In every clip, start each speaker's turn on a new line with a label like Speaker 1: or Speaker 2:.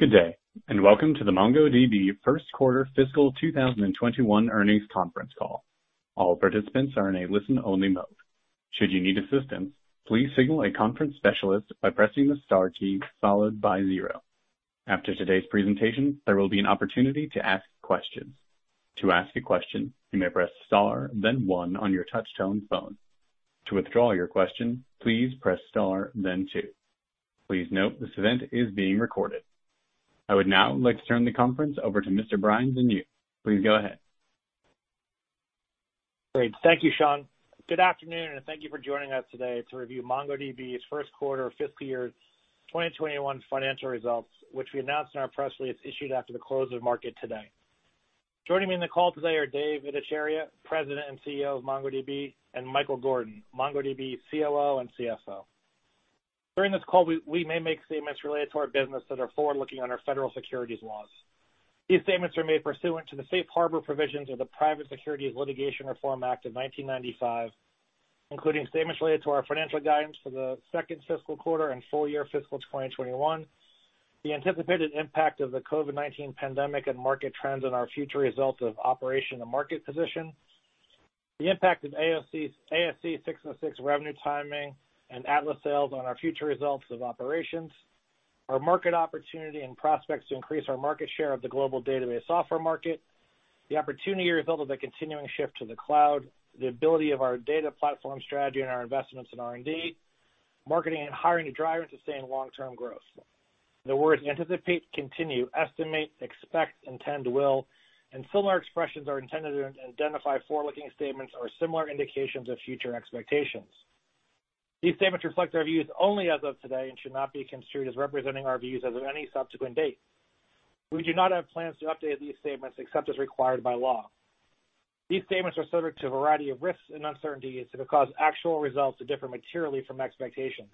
Speaker 1: Good day, and welcome to the MongoDB first quarter fiscal 2021 earnings conference call. All participants are in a listen-only mode. Should you need assistance, please signal a conference specialist by pressing the star key followed by zero. After today's presentation, there will be an opportunity to ask questions. To ask a question, you may press star then one on your touch-tone phone. To withdraw your question, please press star then two. Please note this event is being recorded. I would now like to turn the conference over to Mr. Brian Denyeau. Please go ahead.
Speaker 2: Great. Thank you, Sean. Good afternoon, and thank you for joining us today to review MongoDB's first quarter fiscal year 2021 financial results, which we announced in our press release issued after the close of market today. Joining me in the call today are Dev Ittycheria, President and CEO of MongoDB, and Michael Gordon, MongoDB COO and CFO. During this call, we may make statements related to our business that are forward-looking under federal securities laws. These statements are made pursuant to the Safe Harbor provisions of the Private Securities Litigation Reform Act of 1995, including statements related to our financial guidance for the second fiscal quarter and full year fiscal 2021, the anticipated impact of the COVID-19 pandemic and market trends on our future results of operation and market position, the impact of ASC 606 revenue timing and Atlas sales on our future results of operations, our market opportunity and prospects to increase our market share of the global database software market, the opportunity result of the continuing shift to the cloud, the ability of our data platform strategy and our investments in R&D, marketing, and hiring to drive and sustain long-term growth. The words anticipate, continue, estimate, expect, intend, will, and similar expressions are intended to identify forward-looking statements or similar indications of future expectations. These statements reflect our views only as of today and should not be construed as representing our views as of any subsequent date. We do not have plans to update these statements except as required by law. These statements are subject to a variety of risks and uncertainties that could cause actual results to differ materially from expectations.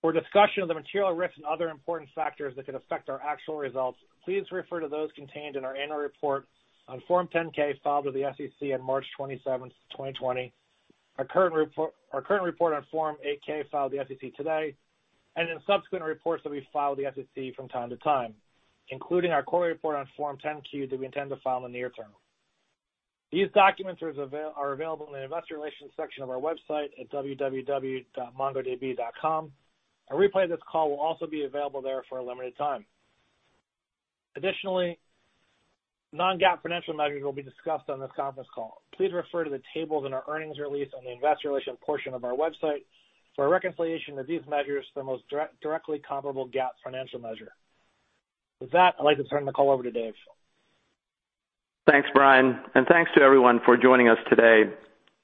Speaker 2: For discussion of the material risks and other important factors that could affect our actual results, please refer to those contained in our annual report on Form 10-K filed with the SEC on March 27th, 2020, our current report on Form 8-K filed with the SEC today, and in subsequent reports that we file with the SEC from time to time, including our quarterly report on Form 10-Q that we intend to file in the near term. These documents are available in the investor relations section of our website at www.mongodb.com. A replay of this call will also be available there for a limited time. Additionally, non-GAAP financial measures will be discussed on this conference call. Please refer to the tables in our earnings release on the investor relations portion of our website for a reconciliation of these measures to the most directly comparable GAAP financial measure. With that, I'd like to turn the call over to Dev.
Speaker 3: Thanks, Brian, and thanks to everyone for joining us today.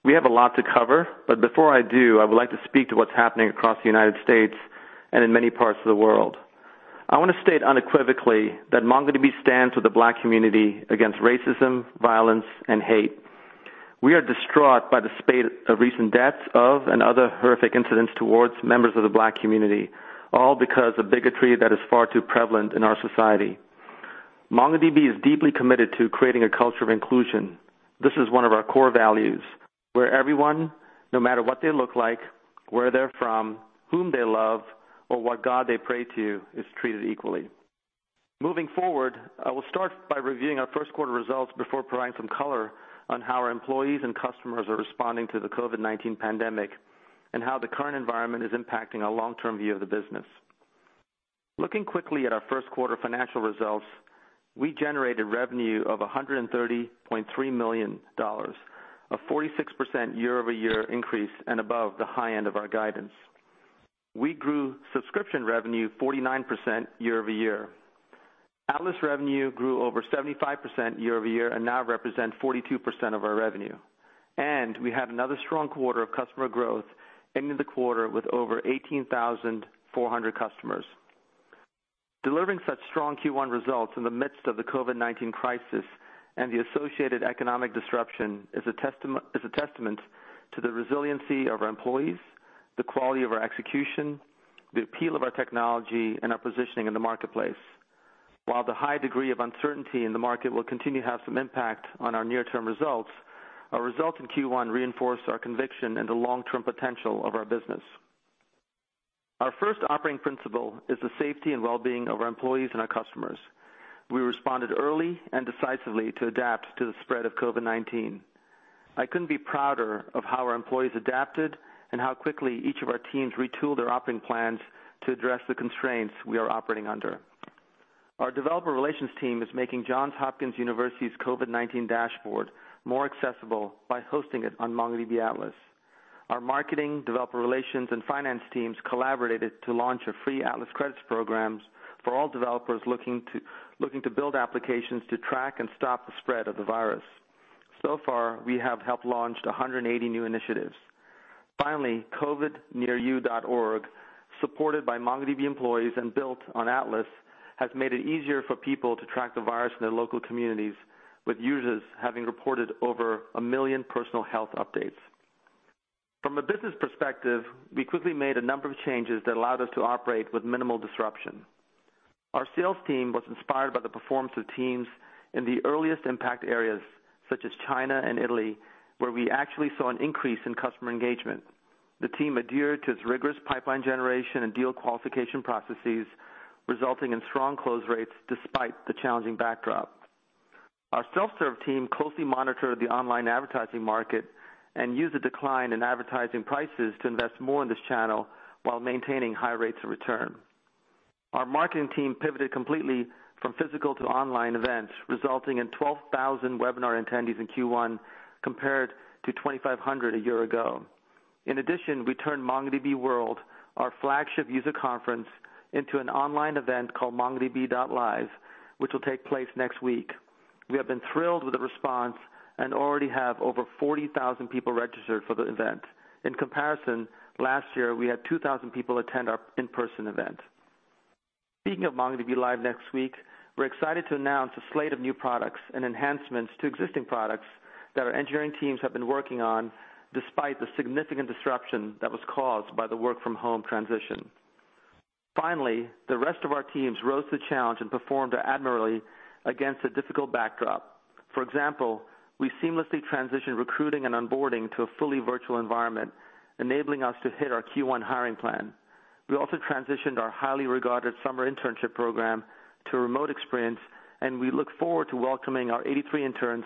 Speaker 3: We have a lot to cover, but before I do, I would like to speak to what's happening across the United States and in many parts of the world. I want to state unequivocally that MongoDB stands with the Black community against racism, violence, and hate. We are distraught by the spate of recent deaths of and other horrific incidents towards members of the Black community, all because of bigotry that is far too prevalent in our society. MongoDB is deeply committed to creating a culture of inclusion. This is one of our core values, where everyone, no matter what they look like, where they're from, whom they love, or what God they pray to, is treated equally. Moving forward, I will start by reviewing our first quarter results before providing some color on how our employees and customers are responding to the COVID-19 pandemic and how the current environment is impacting our long-term view of the business. Looking quickly at our first quarter financial results, we generated revenue of $130.3 million, a 46% year-over-year increase and above the high end of our guidance. We grew subscription revenue 49% year-over-year. Atlas revenue grew over 75% year-over-year and now represents 42% of our revenue. We had another strong quarter of customer growth, ending the quarter with over 18,400 customers. Delivering such strong Q1 results in the midst of the COVID-19 crisis and the associated economic disruption is a testament to the resiliency of our employees, the quality of our execution, the appeal of our technology, and our positioning in the marketplace. While the high degree of uncertainty in the market will continue to have some impact on our near-term results, our results in Q1 reinforce our conviction in the long-term potential of our business. Our first operating principle is the safety and well-being of our employees and our customers. We responded early and decisively to adapt to the spread of COVID-19. I couldn't be prouder of how our employees adapted and how quickly each of our teams retooled their operating plans to address the constraints we are operating under. Our developer relations team is making Johns Hopkins University's COVID-19 dashboard more accessible by hosting it on MongoDB Atlas. Our marketing, developer relations, and finance teams collaborated to launch a free Atlas credits program for all developers looking to build applications to track and stop the spread of the virus. So far, we have helped launch 180 new initiatives. Finally, covidnearyou.org, supported by MongoDB employees and built on Atlas, has made it easier for people to track the virus in their local communities, with users having reported over a million personal health updates. From a business perspective, we quickly made a number of changes that allowed us to operate with minimal disruption. Our sales team was inspired by the performance of teams in the earliest impact areas, such as China and Italy, where we actually saw an increase in customer engagement. The team adhered to its rigorous pipeline generation and deal qualification processes, resulting in strong close rates despite the challenging backdrop. Our self-serve team closely monitored the online advertising market and used the decline in advertising prices to invest more in this channel while maintaining high rates of return. Our marketing team pivoted completely from physical to online events, resulting in 12,000 webinar attendees in Q1 compared to 2,500 a year ago. We turned MongoDB World, our flagship user conference, into an online event called MongoDB.live, which will take place next week. We have been thrilled with the response and already have over 40,000 people registered for the event. In comparison, last year, we had 2,000 people attend our in-person event. Speaking of MongoDB.live next week, we're excited to announce a slate of new products and enhancements to existing products that our engineering teams have been working on despite the significant disruption that was caused by the work-from-home transition. The rest of our teams rose to the challenge and performed admirably against a difficult backdrop. For example, we seamlessly transitioned recruiting and onboarding to a fully virtual environment, enabling us to hit our Q1 hiring plan. We also transitioned our highly regarded summer internship program to a remote experience, and we look forward to welcoming our 83 interns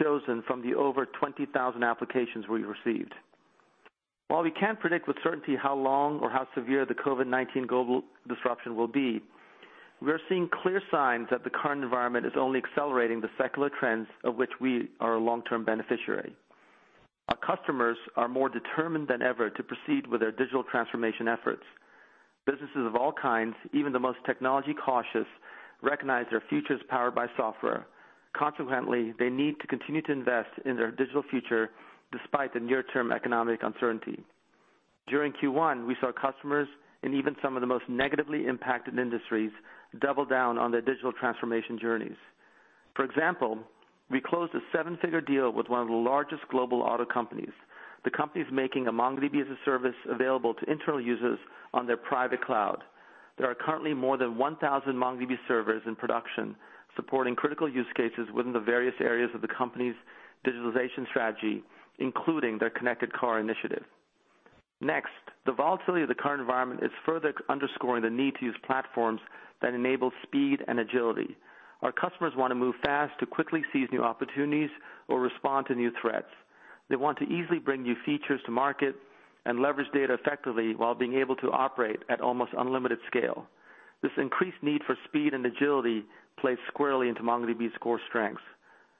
Speaker 3: chosen from the over 20,000 applications we received. While we can't predict with certainty how long or how severe the COVID-19 global disruption will be, we are seeing clear signs that the current environment is only accelerating the secular trends of which we are a long-term beneficiary. Our customers are more determined than ever to proceed with their digital transformation efforts. Businesses of all kinds, even the most technology-cautious, recognize their future is powered by software. Consequently, they need to continue to invest in their digital future despite the near-term economic uncertainty. During Q1, we saw customers in even some of the most negatively impacted industries double down on their digital transformation journeys. For example, we closed a seven-figure deal with one of the largest global auto companies. The company's making a MongoDB as a service available to internal users on their private cloud. There are currently more than 1,000 MongoDB servers in production supporting critical use cases within the various areas of the company's digitalization strategy, including their connected car initiative. The volatility of the current environment is further underscoring the need to use platforms that enable speed and agility. Our customers want to move fast to quickly seize new opportunities or respond to new threats. They want to easily bring new features to market and leverage data effectively while being able to operate at almost unlimited scale. This increased need for speed and agility plays squarely into MongoDB's core strengths.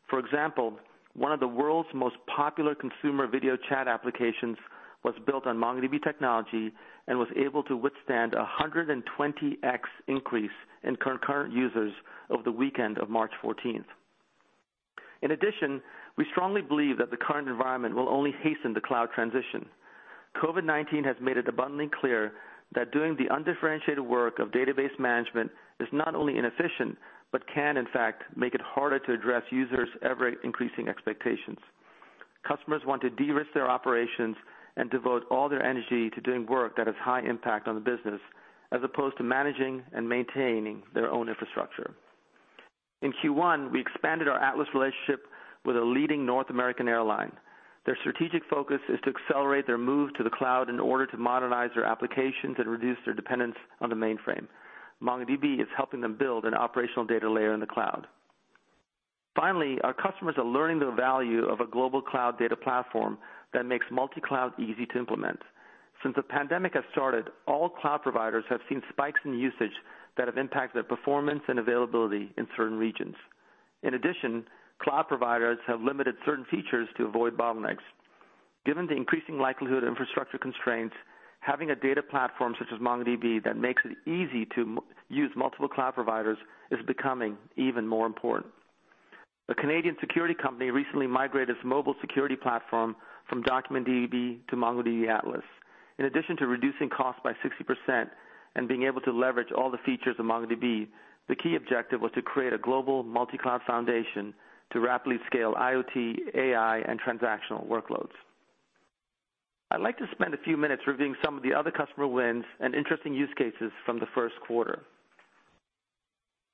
Speaker 3: For example, one of the world's most popular consumer video chat applications was built on MongoDB technology and was able to withstand 120x increase in concurrent users over the weekend of March 14th. In addition, we strongly believe that the current environment will only hasten the cloud transition. COVID-19 has made it abundantly clear that doing the undifferentiated work of database management is not only inefficient but can, in fact, make it harder to address users' ever-increasing expectations. Customers want to de-risk their operations and devote all their energy to doing work that has high impact on the business as opposed to managing and maintaining their own infrastructure. In Q1, we expanded our Atlas relationship with a leading North American airline. Their strategic focus is to accelerate their move to the cloud in order to modernize their applications and reduce their dependence on the mainframe. MongoDB is helping them build an operational data layer in the cloud. Finally, our customers are learning the value of a global cloud data platform that makes multi-cloud easy to implement. Since the pandemic has started, all cloud providers have seen spikes in usage that have impacted their performance and availability in certain regions. In addition, cloud providers have limited certain features to avoid bottlenecks. Given the increasing likelihood of infrastructure constraints, having a data platform such as MongoDB that makes it easy to use multiple cloud providers is becoming even more important. A Canadian security company recently migrated its mobile security platform from DocumentDB to MongoDB Atlas. In addition to reducing costs by 60% and being able to leverage all the features of MongoDB, the key objective was to create a global multi-cloud foundation to rapidly scale IoT, AI, and transactional workloads. I'd like to spend a few minutes reviewing some of the other customer wins and interesting use cases from the first quarter.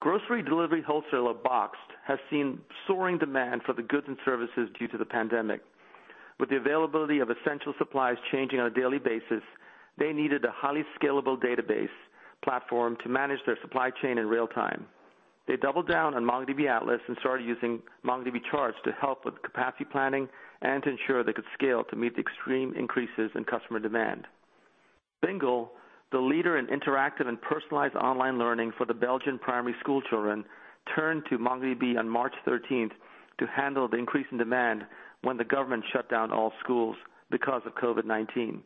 Speaker 3: Grocery delivery wholesaler Boxed has seen soaring demand for the goods and services due to the pandemic. With the availability of essential supplies changing on a daily basis, they needed a highly scalable database platform to manage their supply chain in real time. They doubled down on MongoDB Atlas and started using MongoDB Charts to help with capacity planning and to ensure they could scale to meet the extreme increases in customer demand. Bingel, the leader in interactive and personalized online learning for the Belgian primary school children, turned to MongoDB on March 13th to handle the increase in demand when the government shut down all schools because of COVID-19.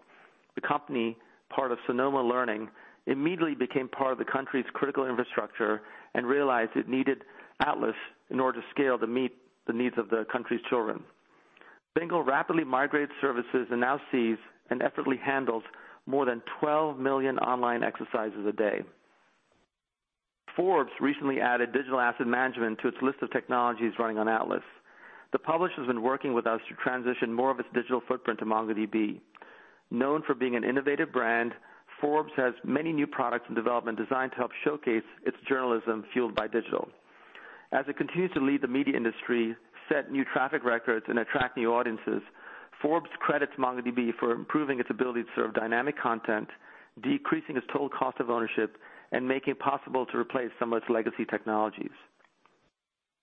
Speaker 3: The company, part of Sanoma Learning, immediately became part of the country's critical infrastructure and realized it needed Atlas in order to scale to meet the needs of the country's children. Bingel rapidly migrated services and now sees and effortlessly handles more than 12 million online exercises a day. Forbes recently added digital asset management to its list of technologies running on Atlas. The publisher's been working with us to transition more of its digital footprint to MongoDB. Known for being an innovative brand, Forbes has many new products in development designed to help showcase its journalism fueled by digital. As it continues to lead the media industry, set new traffic records, and attract new audiences, Forbes credits MongoDB for improving its ability to serve dynamic content, decreasing its total cost of ownership, and making it possible to replace some of its legacy technologies.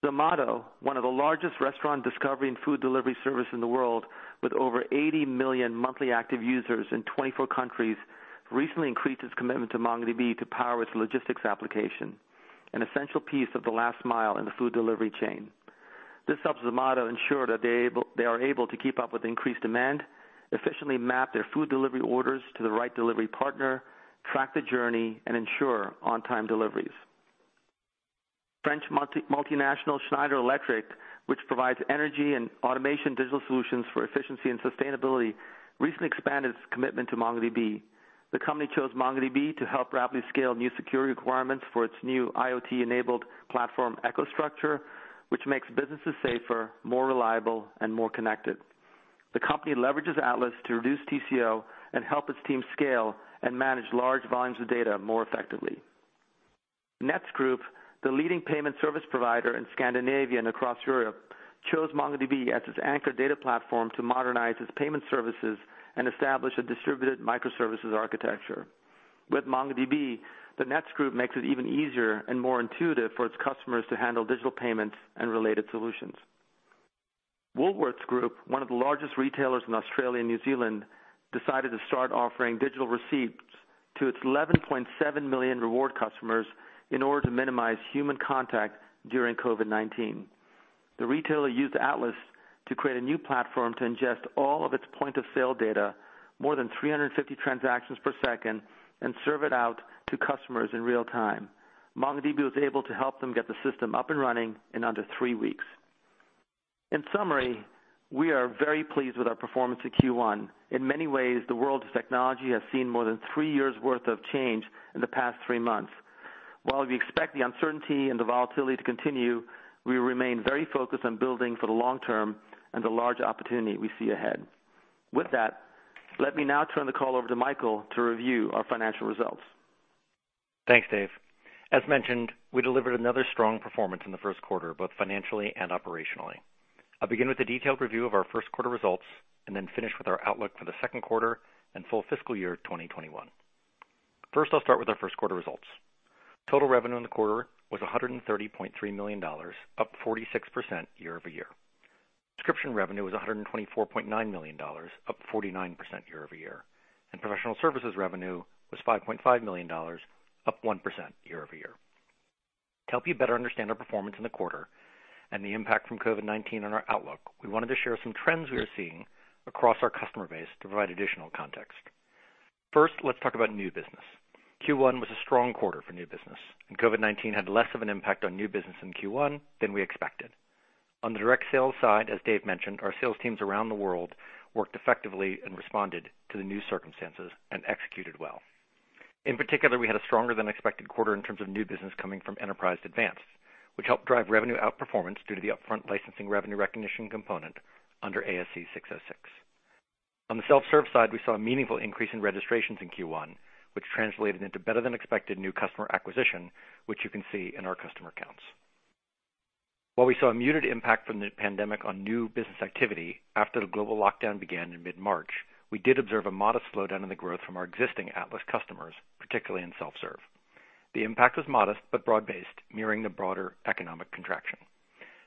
Speaker 3: Zomato, one of the largest restaurant discovery and food delivery service in the world, with over 80 million monthly active users in 24 countries, recently increased its commitment to MongoDB to power its logistics application, an essential piece of the last mile in the food delivery chain. This helps Zomato ensure that they are able to keep up with increased demand, efficiently map their food delivery orders to the right delivery partner, track the journey, and ensure on-time deliveries. French multinational Schneider Electric, which provides energy and automation digital solutions for efficiency and sustainability, recently expanded its commitment to MongoDB. The company chose MongoDB to help rapidly scale new security requirements for its new IoT-enabled platform, EcoStruxure, which makes businesses safer, more reliable, and more connected. The company leverages Atlas to reduce TCO and help its team scale and manage large volumes of data more effectively. Nets Group, the leading payment service provider in Scandinavia and across Europe, chose MongoDB as its anchor data platform to modernize its payment services and establish a distributed microservices architecture. With MongoDB, the Nets Group makes it even easier and more intuitive for its customers to handle digital payments and related solutions. Woolworths Group, one of the largest retailers in Australia and New Zealand, decided to start offering digital receipts to its 11.7 million reward customers in order to minimize human contact during COVID-19. The retailer used Atlas to create a new platform to ingest all of its point-of-sale data, more than 350 transactions per second, and serve it out to customers in real time. MongoDB was able to help them get the system up and running in under three weeks. In summary, we are very pleased with our performance in Q1. In many ways, the world of technology has seen more than three years' worth of change in the past three months. While we expect the uncertainty and the volatility to continue, we remain very focused on building for the long term and the large opportunity we see ahead. With that, let me now turn the call over to Michael to review our financial results.
Speaker 4: Thanks, Dev. As mentioned, we delivered another strong performance in the first quarter, both financially and operationally. I'll begin with a detailed review of our first quarter results and then finish with our outlook for the second quarter and full fiscal year 2021. First, I'll start with our first quarter results. Total revenue in the quarter was $130.3 million, up 46% year-over-year. Subscription revenue was $124.9 million, up 49% year-over-year. Professional services revenue was $5.5 million, up 1% year-over-year. To help you better understand our performance in the quarter and the impact from COVID-19 on our outlook, we wanted to share some trends we are seeing across our customer base to provide additional context. First, let's talk about new business. Q1 was a strong quarter for new business, and COVID-19 had less of an impact on new business in Q1 than we expected. On the direct sales side, as Dev mentioned, our sales teams around the world worked effectively and responded to the new circumstances and executed well. In particular, we had a stronger than expected quarter in terms of new business coming from Enterprise Advanced, which helped drive revenue outperformance due to the upfront licensing revenue recognition component under ASC 606. On the self-serve side, we saw a meaningful increase in registrations in Q1, which translated into better than expected new customer acquisition, which you can see in our customer counts. While we saw a muted impact from the pandemic on new business activity after the global lockdown began in mid-March, we did observe a modest slowdown in the growth from our existing Atlas customers, particularly in self-serve. The impact was modest but broad-based, mirroring the broader economic contraction.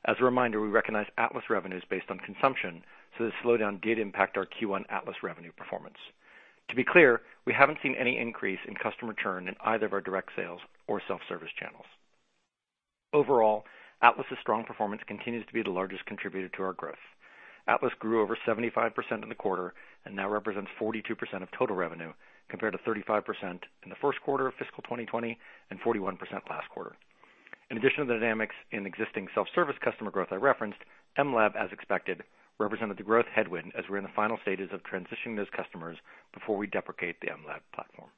Speaker 4: As a reminder, we recognize MongoDB Atlas revenues based on consumption, the slowdown did impact our Q1 MongoDB Atlas revenue performance. To be clear, we haven't seen any increase in customer churn in either of our direct sales or self-service channels. Overall, MongoDB Atlas' strong performance continues to be the largest contributor to our growth. MongoDB Atlas grew over 75% in the quarter and now represents 42% of total revenue, compared to 35% in the first quarter of fiscal 2020 and 41% last quarter. In addition to the dynamics in existing self-service customer growth I referenced, mLab, as expected, represented the growth headwind as we're in the final stages of transitioning those customers before we deprecate the mLab platform.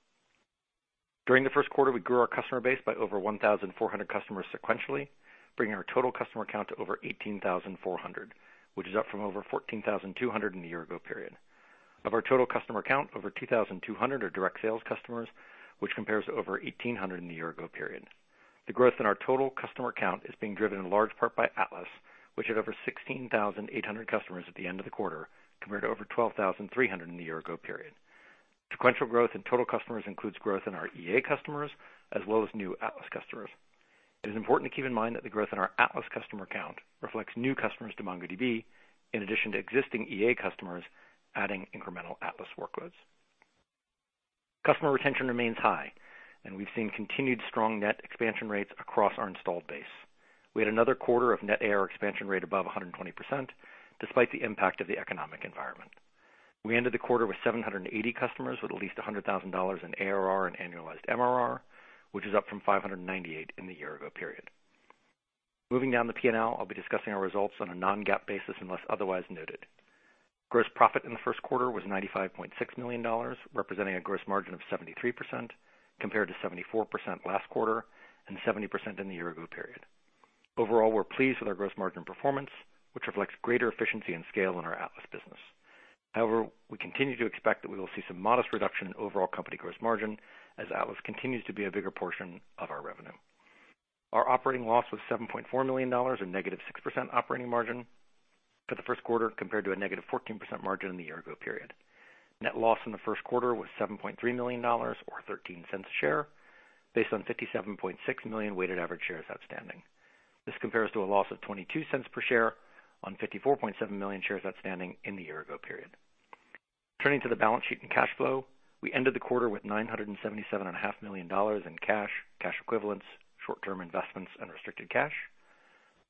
Speaker 4: During the first quarter, we grew our customer base by over 1,400 customers sequentially, bringing our total customer count to over 18,400, which is up from over 14,200 in the year-ago period. Of our total customer count, over 2,200 are direct sales customers, which compares to over 1,800 in the year-ago period. The growth in our total customer count is being driven in large part by Atlas, which had over 16,800 customers at the end of the quarter, compared to over 12,300 in the year-ago period. Sequential growth in total customers includes growth in our EA customers as well as new Atlas customers. It is important to keep in mind that the growth in our Atlas customer count reflects new customers to MongoDB in addition to existing EA customers adding incremental Atlas workloads. Customer retention remains high, and we've seen continued strong net expansion rates across our installed base. We had another quarter of net ARR expansion rate above 120%, despite the impact of the economic environment. We ended the quarter with 780 customers with at least $100,000 in ARR and annualized MRR, which is up from 598 in the year-ago period. Moving down the P&L, I'll be discussing our results on a non-GAAP basis unless otherwise noted. Gross profit in the first quarter was $95.6 million, representing a gross margin of 73%, compared to 74% last quarter and 70% in the year-ago period. Overall, we're pleased with our gross margin performance, which reflects greater efficiency and scale in our Atlas business. However, we continue to expect that we will see some modest reduction in overall company gross margin as Atlas continues to be a bigger portion of our revenue. Our operating loss was $7.4 million, or -6% operating margin for the first quarter compared to a -14% margin in the year-ago period. Net loss in the first quarter was $7.3 million or $0.13 a share based on 57.6 million weighted average shares outstanding. This compares to a loss of $0.22 per share on 54.7 million shares outstanding in the year ago period. Turning to the balance sheet and cash flow, we ended the quarter with $977.5 million in cash equivalents, short-term investments, and restricted cash.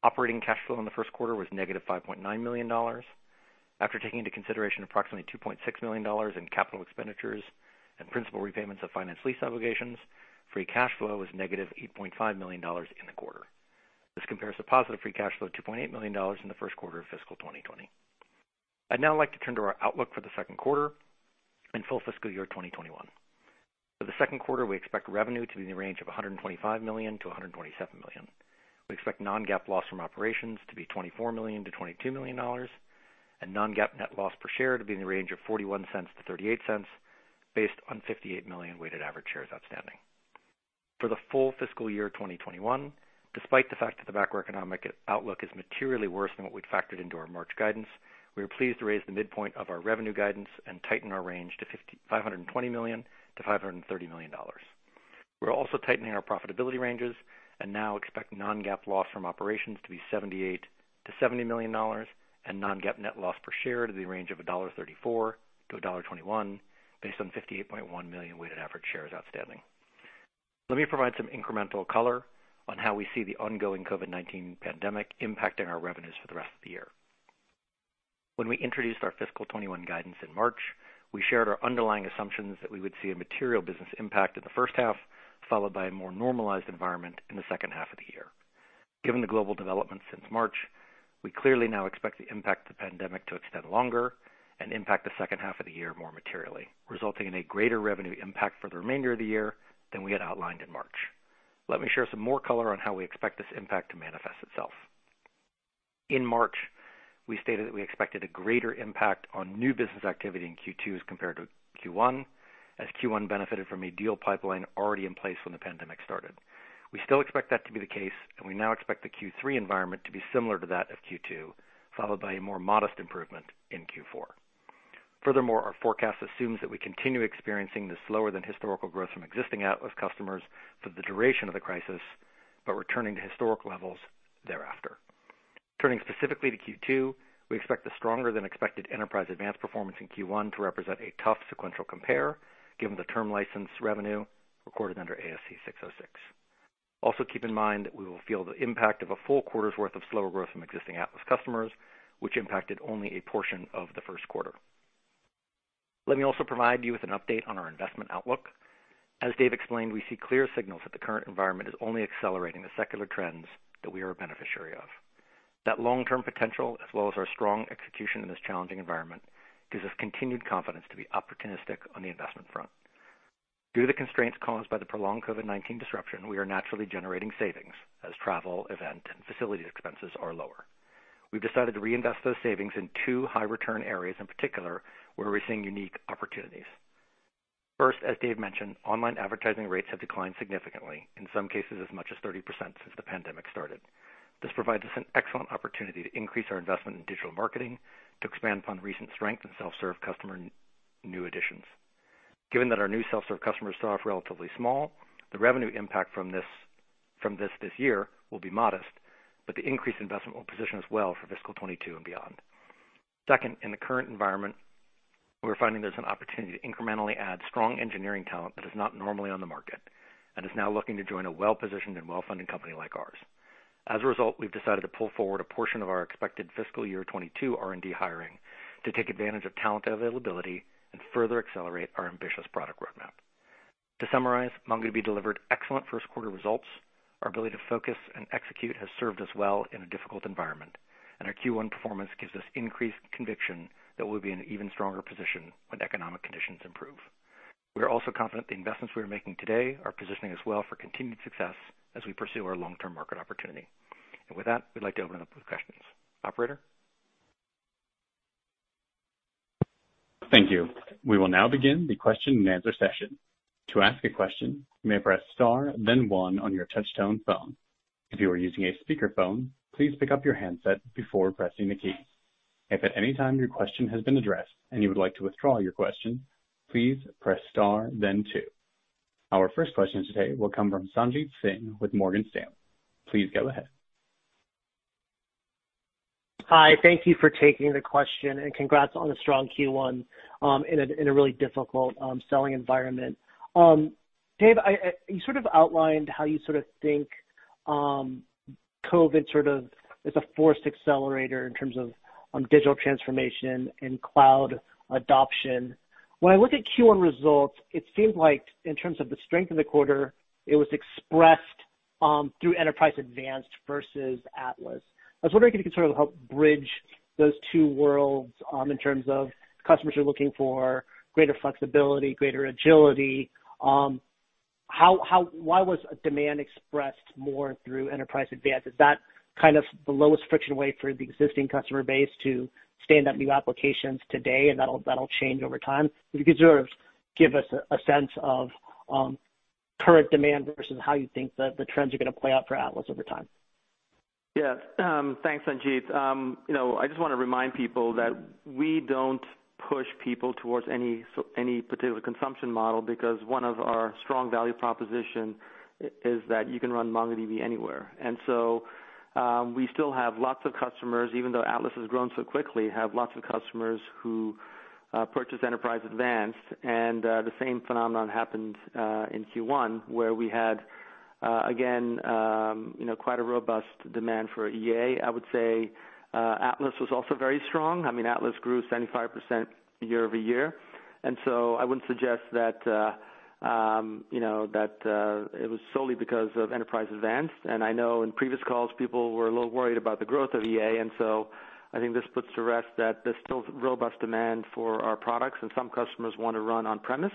Speaker 4: Operating cash flow in the first quarter was -$5.9 million. After taking into consideration approximately $2.6 million in capital expenditures and principal repayments of finance lease obligations, free cash flow was -$8.5 million in the quarter. This compares to positive free cash flow of $2.8 million in the first quarter of fiscal 2020. I'd now like to turn to our outlook for the second quarter and full fiscal year 2021. For the second quarter, we expect revenue to be in the range of $125 million-$127 million. We expect non-GAAP loss from operations to be $24 million-$22 million, and non-GAAP net loss per share to be in the range of $0.41-$0.38 based on 58 million weighted average shares outstanding. For the full fiscal year 2021, despite the fact that the macroeconomic outlook is materially worse than what we'd factored into our March guidance, we are pleased to raise the midpoint of our revenue guidance and tighten our range to $520 million-$530 million. We're also tightening our profitability ranges and now expect non-GAAP loss from operations to be $78 million-$70 million and non-GAAP net loss per share to the range of $1.34-$1.21 based on 58.1 million weighted average shares outstanding. Let me provide some incremental color on how we see the ongoing COVID-19 pandemic impacting our revenues for the rest of the year. When we introduced our fiscal 2021 guidance in March, we shared our underlying assumptions that we would see a material business impact in the first half, followed by a more normalized environment in the second half of the year. Given the global developments since March, we clearly now expect the impact of the pandemic to extend longer and impact the second half of the year more materially, resulting in a greater revenue impact for the remainder of the year than we had outlined in March. Let me share some more color on how we expect this impact to manifest itself. In March, we stated that we expected a greater impact on new business activity in Q2 as compared to Q1, as Q1 benefited from a deal pipeline already in place when the pandemic started. We still expect that to be the case, and we now expect the Q3 environment to be similar to that of Q2, followed by a more modest improvement in Q4. Furthermore, our forecast assumes that we continue experiencing this slower than historical growth from existing Atlas customers for the duration of the crisis, but returning to historic levels thereafter. Turning specifically to Q2, we expect the stronger than expected Enterprise Advanced performance in Q1 to represent a tough sequential compare given the term license revenue recorded under ASC 606. Also, keep in mind that we will feel the impact of a full quarter's worth of slower growth from existing Atlas customers, which impacted only a portion of the first quarter. Let me also provide you with an update on our investment outlook. As Dev explained, we see clear signals that the current environment is only accelerating the secular trends that we are a beneficiary of. That long-term potential, as well as our strong execution in this challenging environment, gives us continued confidence to be opportunistic on the investment front. Due to the constraints caused by the prolonged COVID-19 disruption, we are naturally generating savings as travel, event, and facility expenses are lower. We've decided to reinvest those savings in two high-return areas in particular, where we're seeing unique opportunities. First, as Dev mentioned, online advertising rates have declined significantly, in some cases as much as 30% since the pandemic started. This provides us an excellent opportunity to increase our investment in digital marketing to expand upon recent strength in self-serve customer new additions. Given that our new self-serve customers start off relatively small, the revenue impact from this year will be modest, but the increased investment will position us well for fiscal 2022 and beyond. Second, in the current environment, we're finding there's an opportunity to incrementally add strong engineering talent that is not normally on the market and is now looking to join a well-positioned and well-funded company like ours. As a result, we've decided to pull forward a portion of our expected fiscal year 2022 R&D hiring to take advantage of talent availability and further accelerate our ambitious product roadmap. To summarize, MongoDB delivered excellent first quarter results. Our ability to focus and execute has served us well in a difficult environment, and our Q1 performance gives us increased conviction that we'll be in an even stronger position when economic conditions improve. We are also confident the investments we are making today are positioning us well for continued success as we pursue our long-term market opportunity. With that, we'd like to open up with questions. Operator?
Speaker 1: Thank you. We will now begin the question and answer session. To ask a question, you may press star then one on your touch-tone phone. If you are using a speakerphone, please pick up your handset before pressing the key. If at any time your question has been addressed and you would like to withdraw your question, please press star then two. Our first question today will come from Sanjit Singh with Morgan Stanley. Please go ahead.
Speaker 5: Hi. Thank you for taking the question and congrats on a strong Q1 in a really difficult selling environment. Dev, you outlined how you think COVID-19 is a forced accelerator in terms of digital transformation and cloud adoption. When I look at Q1 results, it seems like in terms of the strength in the quarter, it was expressed through Enterprise Advanced versus Atlas. I was wondering if you could help bridge those two worlds in terms of customers are looking for greater flexibility, greater agility. Why was demand expressed more through Enterprise Advanced? Is that the lowest friction way for the existing customer base to stand up new applications today and that'll change over time? If you could give us a sense of current demand versus how you think the trends are going to play out for Atlas over time.
Speaker 3: Yeah. Thanks, Sanjit. I just want to remind people that we don't push people towards any particular consumption model, because one of our strong value proposition is that you can run MongoDB anywhere. We still have lots of customers, even though Atlas has grown so quickly, have lots of customers who purchase Enterprise Advanced. The same phenomenon happened in Q1, where we had again, quite a robust demand for EA. I would say Atlas was also very strong. I mean, Atlas grew 75% year-over-year. So I wouldn't suggest that it was solely because of Enterprise Advanced. I know in previous calls, people were a little worried about the growth of EA, and so I think this puts to rest that there's still robust demand for our products, and some customers want to run on-premise.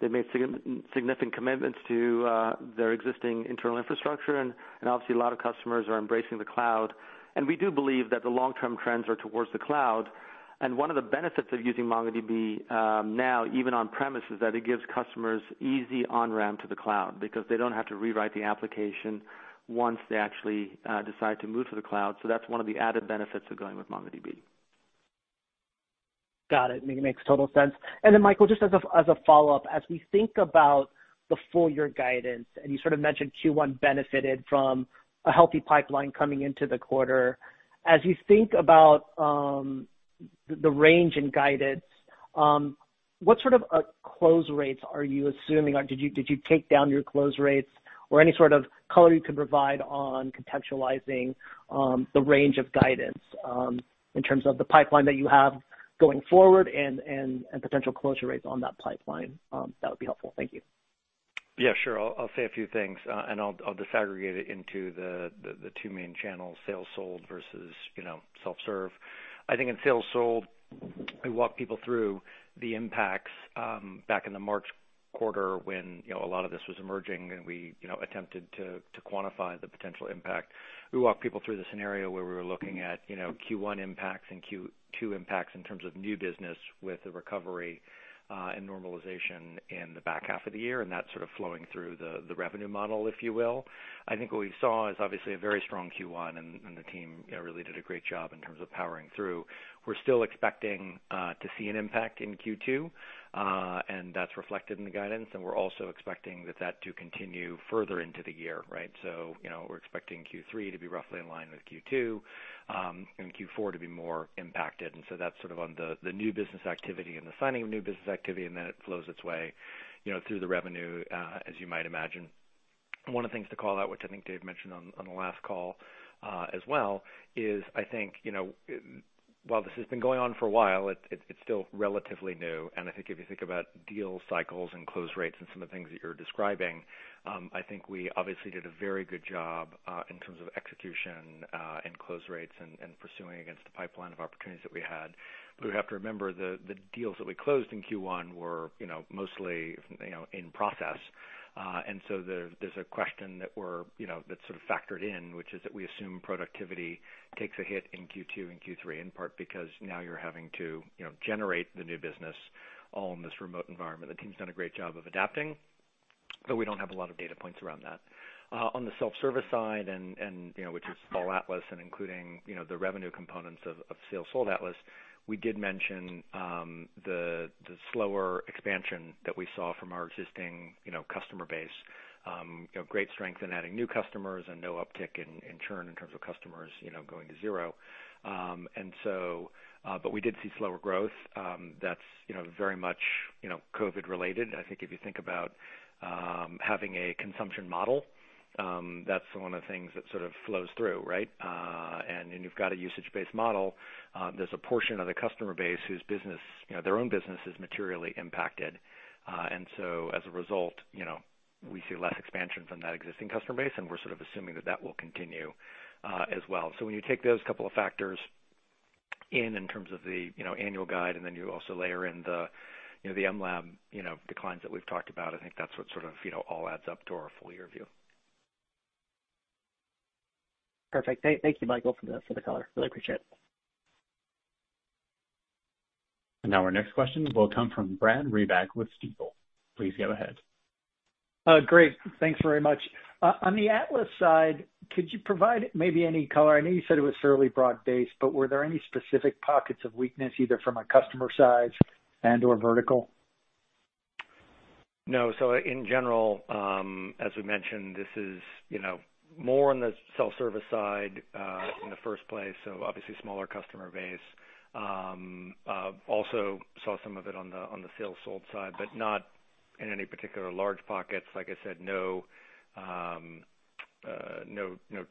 Speaker 3: They've made significant commitments to their existing internal infrastructure, obviously a lot of customers are embracing the cloud. We do believe that the long-term trends are towards the cloud. One of the benefits of using MongoDB now, even on-premise, is that it gives customers easy on-ramp to the cloud because they don't have to rewrite the application once they actually decide to move to the cloud. That's one of the added benefits of going with MongoDB.
Speaker 5: Got it. Makes total sense. Michael, just as a follow-up, as we think about the full-year guidance, and you sort of mentioned Q1 benefited from a healthy pipeline coming into the quarter. As you think about the range in guidance, what sort of close rates are you assuming? Did you take down your close rates or any sort of color you can provide on contextualizing the range of guidance in terms of the pipeline that you have going forward and potential closure rates on that pipeline? That would be helpful. Thank you.
Speaker 4: Yeah, sure. I'll say a few things, and I'll disaggregate it into the two main channels, sales-sold versus self-serve. I think in sales-sold, we walked people through the impacts back in the March quarter when a lot of this was emerging and we attempted to quantify the potential impact. We walked people through the scenario where we were looking at Q1 impacts and Q2 impacts in terms of new business with the recovery and normalization in the back half of the year, and that sort of flowing through the revenue model, if you will. I think what we saw is obviously a very strong Q1, and the team really did a great job in terms of powering through. We're still expecting to see an impact in Q2, and that's reflected in the guidance, and we're also expecting that to continue further into the year, right? We're expecting Q3 to be roughly in line with Q2, and Q4 to be more impacted. That's sort of on the new business activity and the signing of new business activity, and then it flows its way through the revenue, as you might imagine. One of the things to call out, which I think Dev mentioned on the last call as well, is I think while this has been going on for a while, it's still relatively new, and I think if you think about deal cycles and close rates and some of the things that you're describing, I think we obviously did a very good job in terms of execution and close rates and pursuing against the pipeline of opportunities that we had. We have to remember the deals that we closed in Q1 were mostly in process. There's a question that sort of factored in, which is that we assume productivity takes a hit in Q2 and Q3, in part because now you're having to generate the new business all in this remote environment. The team's done a great job of adapting, but we don't have a lot of data points around that. On the self-service side, which is all Atlas and including the revenue components of sales-sold Atlas, we did mention the slower expansion that we saw from our existing customer base. Great strength in adding new customers and no uptick in churn in terms of customers going to zero. We did see slower growth that's very much COVID related. I think if you think about having a consumption model, that's one of the things that sort of flows through, right? You've got a usage-based model. There's a portion of the customer base whose own business is materially impacted. As a result, we see less expansion from that existing customer base, and we're sort of assuming that that will continue as well. When you take those couple of factors in terms of the annual guide, and then you also layer in the mLab declines that we've talked about, I think that's what sort of all adds up to our full year view.
Speaker 5: Perfect. Thank you, Michael, for the color. Really appreciate it.
Speaker 1: Now our next question will come from Brad Reback with Stifel. Please go ahead.
Speaker 6: Great. Thanks very much. On the Atlas side, could you provide maybe any color? I know you said it was fairly broad-based, were there any specific pockets of weakness either from a customer size and or vertical?
Speaker 4: No. In general, as we mentioned, this is more on the self-service side in the first place, obviously smaller customer base. Also saw some of it on the sales-sold side, but not in any particular large pockets. Like I said, no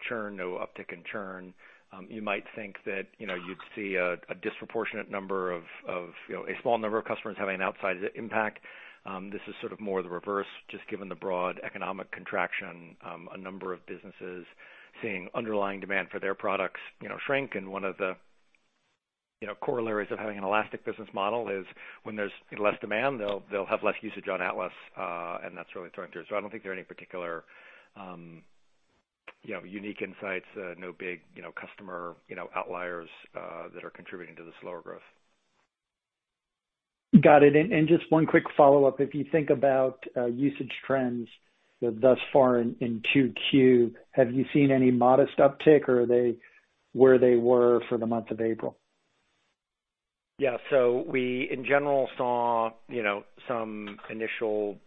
Speaker 4: churn, no uptick in churn. You might think that you'd see a disproportionate number of a small number of customers having an outside impact. This is sort of more the reverse, just given the broad economic contraction, a number of businesses seeing underlying demand for their products shrink, and one of the corollaries of having an elastic business model is when there's less demand, they'll have less usage on Atlas, and that's really throwing through. I don't think there are any particular unique insights, no big customer outliers that are contributing to the slower growth.
Speaker 6: Got it. Just one quick follow-up. If you think about usage trends thus far in 2Q, have you seen any modest uptick, or are they where they were for the month of April?
Speaker 4: Yeah. We, in general, saw some initial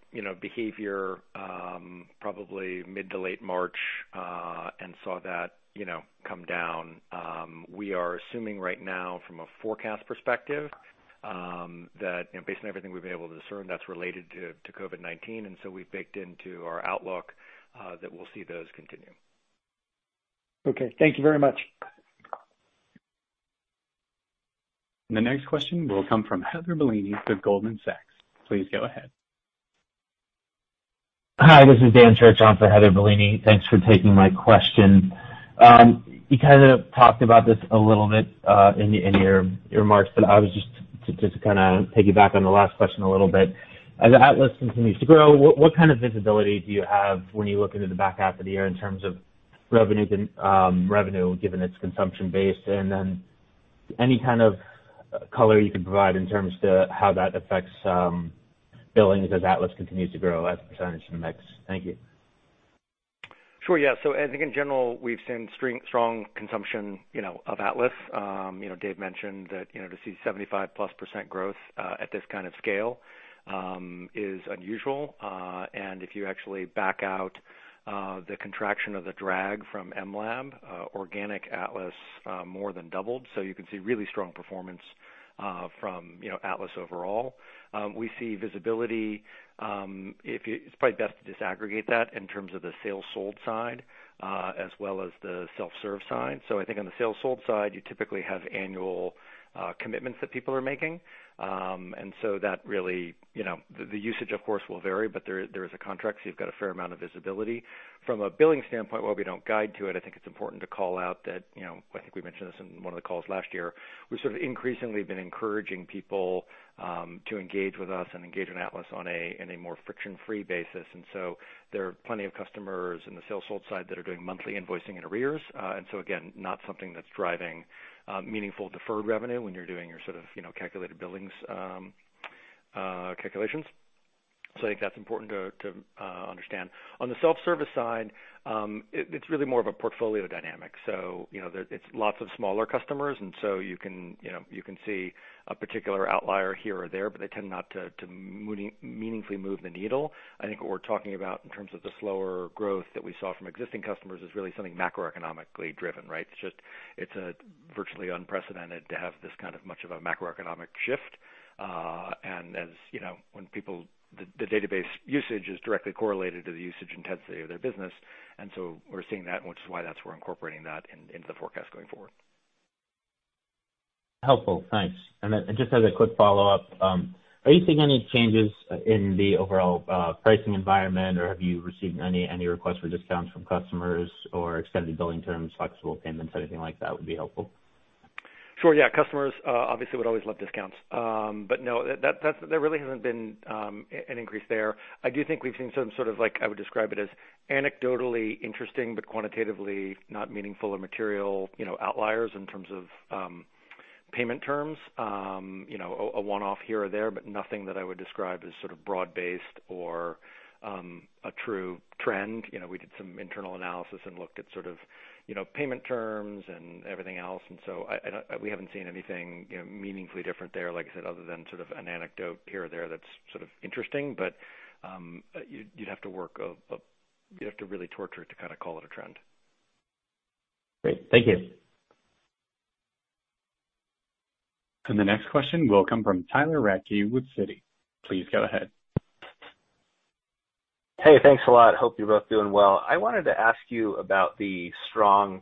Speaker 4: behavior probably mid to late March and saw that come down. We are assuming right now from a forecast perspective, that based on everything we've been able to discern, that's related to COVID-19. We've baked into our outlook that we'll see those continue.
Speaker 6: Okay. Thank you very much.
Speaker 1: The next question will come from Heather Bellini from Goldman Sachs. Please go ahead.
Speaker 7: Hi, this is Dan Church on for Heather Bellini. Thanks for taking my question. You kind of talked about this a little bit in your remarks, but I was just to kind of piggyback on the last question a little bit. As Atlas continues to grow, what kind of visibility do you have when you look into the back half of the year in terms of revenue, given its consumption base, and then any kind of color you could provide in terms to how that affects billings as Atlas continues to grow as a percentage in the mix? Thank you.
Speaker 4: Sure. Yeah. I think in general, we've seen strong consumption of Atlas. Dev mentioned that to see 75%+ growth at this kind of scale is unusual. If you actually back out the contraction of the drag from mLab, organic Atlas more than doubled. You can see really strong performance from Atlas overall. We see visibility, it's probably best to disaggregate that in terms of the sales-sold side as well as the self-serve side. I think on the sales-sold side, you typically have annual commitments that people are making. That really, the usage of course, will vary, but there is a contract, so you've got a fair amount of visibility. From a billing standpoint, while we don't guide to it, I think it's important to call out that, I think we mentioned this in one of the calls last year, we've sort of increasingly been encouraging people to engage with us and engage in Atlas in a more friction-free basis. There are plenty of customers in the sales-sold side that are doing monthly invoicing in arrears. Again, not something that's driving meaningful deferred revenue when you're doing your sort of calculated billings calculations. I think that's important to understand. On the self-service side, it's really more of a portfolio dynamic. It's lots of smaller customers, and so you can see a particular outlier here or there, but they tend not to meaningfully move the needle. I think what we're talking about in terms of the slower growth that we saw from existing customers is really something macroeconomically driven, right? It's virtually unprecedented to have this kind of much of a macroeconomic shift. As the database usage is directly correlated to the usage intensity of their business, and so we're seeing that, which is why that's we're incorporating that into the forecast going forward.
Speaker 7: Helpful. Thanks. Just as a quick follow-up, are you seeing any changes in the overall pricing environment, or have you received any requests for discounts from customers or extended billing terms, flexible payments, anything like that would be helpful?
Speaker 4: Sure, yeah. Customers obviously would always love discounts. No, there really hasn't been an increase there. I do think we've seen some sort of, like, I would describe it as anecdotally interesting, but quantitatively not meaningful or material outliers in terms of payment terms. A one-off here or there, but nothing that I would describe as sort of broad-based or a true trend. We did some internal analysis and looked at sort of payment terms and everything else. We haven't seen anything meaningfully different there, like I said, other than sort of an anecdote here or there that's sort of interesting. You'd have to really torture it to kind of call it a trend.
Speaker 7: Great. Thank you.
Speaker 1: The next question will come from Tyler Radke with Citi. Please go ahead.
Speaker 8: Hey, thanks a lot. Hope you're both doing well. I wanted to ask you about the strong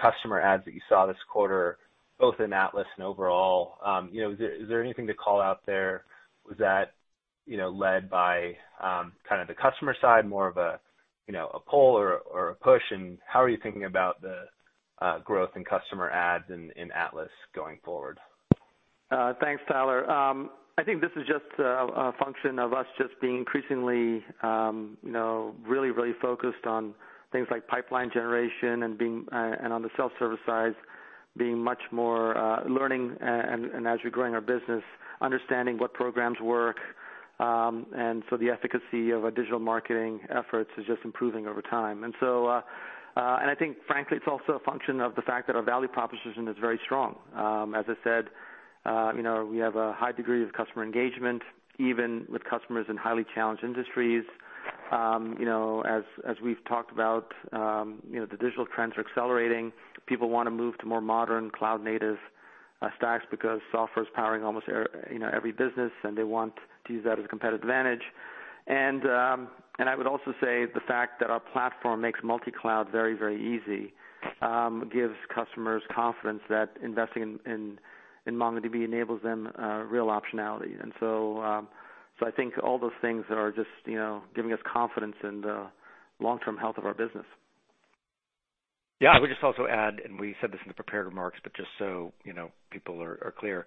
Speaker 8: customer adds that you saw this quarter, both in Atlas and overall. Is there anything to call out there? Was that led by kind of the customer side, more of a pull or a push? How are you thinking about the growth in customer adds in Atlas going forward?
Speaker 3: Thanks, Tyler. I think this is just a function of us just being increasingly really focused on things like pipeline generation and on the self-service side, being much more learning and as we're growing our business, understanding what programs work. The efficacy of our digital marketing efforts is just improving over time. I think frankly, it's also a function of the fact that our value proposition is very strong. As I said, we have a high degree of customer engagement, even with customers in highly challenged industries. As we've talked about, the digital trends are accelerating. People want to move to more modern cloud-native stacks because software's powering almost every business, and they want to use that as a competitive advantage. I would also say the fact that our platform makes multi-cloud very easy gives customers confidence that investing in MongoDB enables them real optionality. I think all those things are just giving us confidence in the long-term health of our business.
Speaker 4: Yeah. I would just also add. We said this in the prepared remarks, but just so people are clear,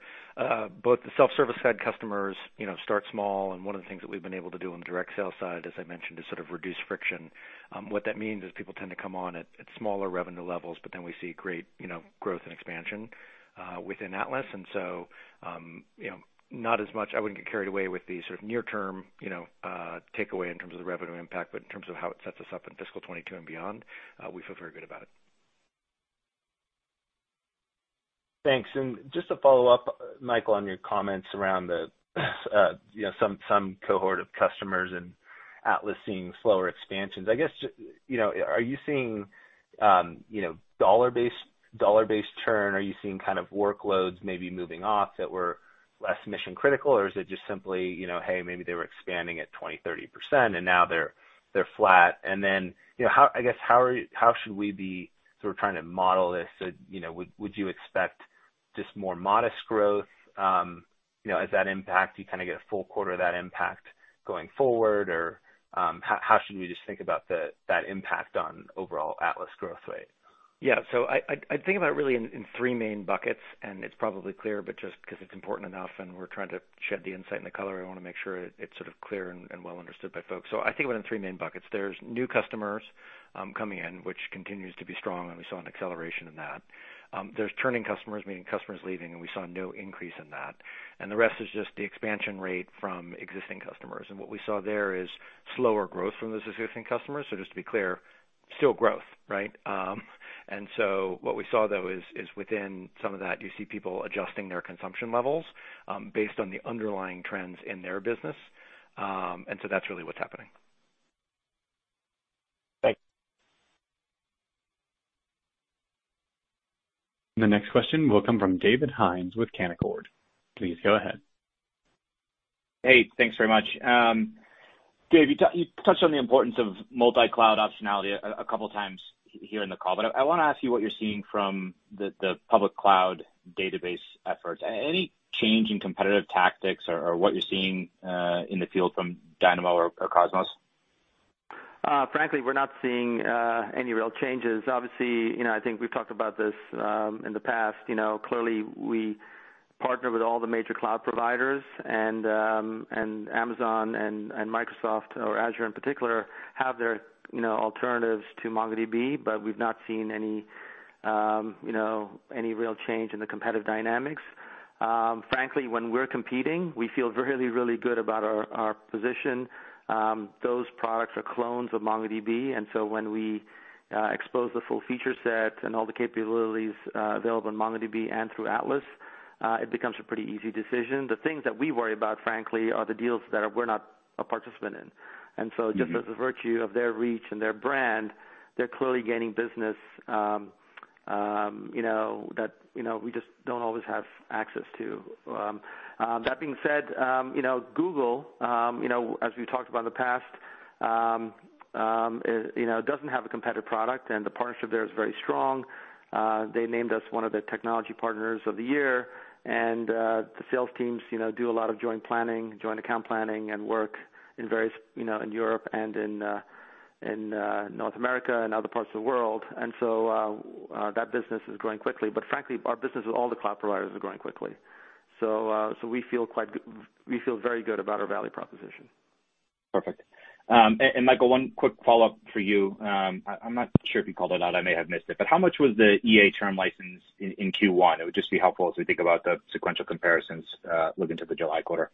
Speaker 4: both the self-service side customers start small, and one of the things that we've been able to do on the direct sales side, as I mentioned, is sort of reduce friction. What that means is people tend to come on at smaller revenue levels, but then we see great growth and expansion within Atlas. Not as much, I wouldn't get carried away with the sort of near term takeaway in terms of the revenue impact. In terms of how it sets us up in fiscal 2022 and beyond, we feel very good about it.
Speaker 8: Thanks. Just to follow up, Michael, on your comments around some cohort of customers and Atlas seeing slower expansions, I guess, are you seeing dollar-based churn? Are you seeing workloads maybe moving off that were less mission-critical? Is it just simply, maybe they were expanding at 20%, 30%, and now they're flat? I guess, how should we be sort of trying to model this? Would you expect just more modest growth? As that impact, do you kind of get a full quarter of that impact going forward? How should we just think about that impact on overall Atlas growth rate?
Speaker 4: Yeah. I think about really in three main buckets, and it's probably clear, but just because it's important enough and we're trying to shed the insight and the color, I want to make sure it's sort of clear and well understood by folks. I think about it in three main buckets. There's new customers coming in, which continues to be strong, and we saw an acceleration in that. There's churning customers, meaning customers leaving, and we saw no increase in that. The rest is just the expansion rate from existing customers. What we saw there is slower growth from those existing customers. Just to be clear, still growth, right? What we saw though is within some of that, you see people adjusting their consumption levels based on the underlying trends in their business. That's really what's happening.
Speaker 8: Thanks.
Speaker 1: The next question will come from David Hynes with Canaccord. Please go ahead.
Speaker 9: Hey, thanks very much. Dev, you touched on the importance of multi-cloud optionality a couple of times here in the call, but I want to ask you what you're seeing from the public cloud database efforts. Any change in competitive tactics or what you're seeing in the field from Dynamo or Cosmos?
Speaker 3: Frankly, we're not seeing any real changes. I think we've talked about this in the past. We partner with all the major cloud providers, and Amazon and Microsoft or Azure in particular, have their alternatives to MongoDB, but we've not seen any real change in the competitive dynamics. Frankly, when we're competing, we feel really, really good about our position. Those products are clones of MongoDB, and so when we expose the full feature set and all the capabilities available on MongoDB and through Atlas, it becomes a pretty easy decision. The things that we worry about, frankly, are the deals that we're not a participant in. Just as a virtue of their reach and their brand, they're clearly gaining business that we just don't always have access to. That being said, Google, as we've talked about in the past, doesn't have a competitive product, and the partnership there is very strong. They named us one of their technology partners of the year, and the sales teams do a lot of joint planning, joint account planning, and work in Europe and in North America and other parts of the world. That business is growing quickly. Frankly, our business with all the cloud providers is growing quickly. We feel very good about our value proposition.
Speaker 9: Perfect. Michael, one quick follow-up for you. I'm not sure if you called it out. I may have missed it, how much was the EA term license in Q1? It would just be helpful as we think about the sequential comparisons looking to the July quarter.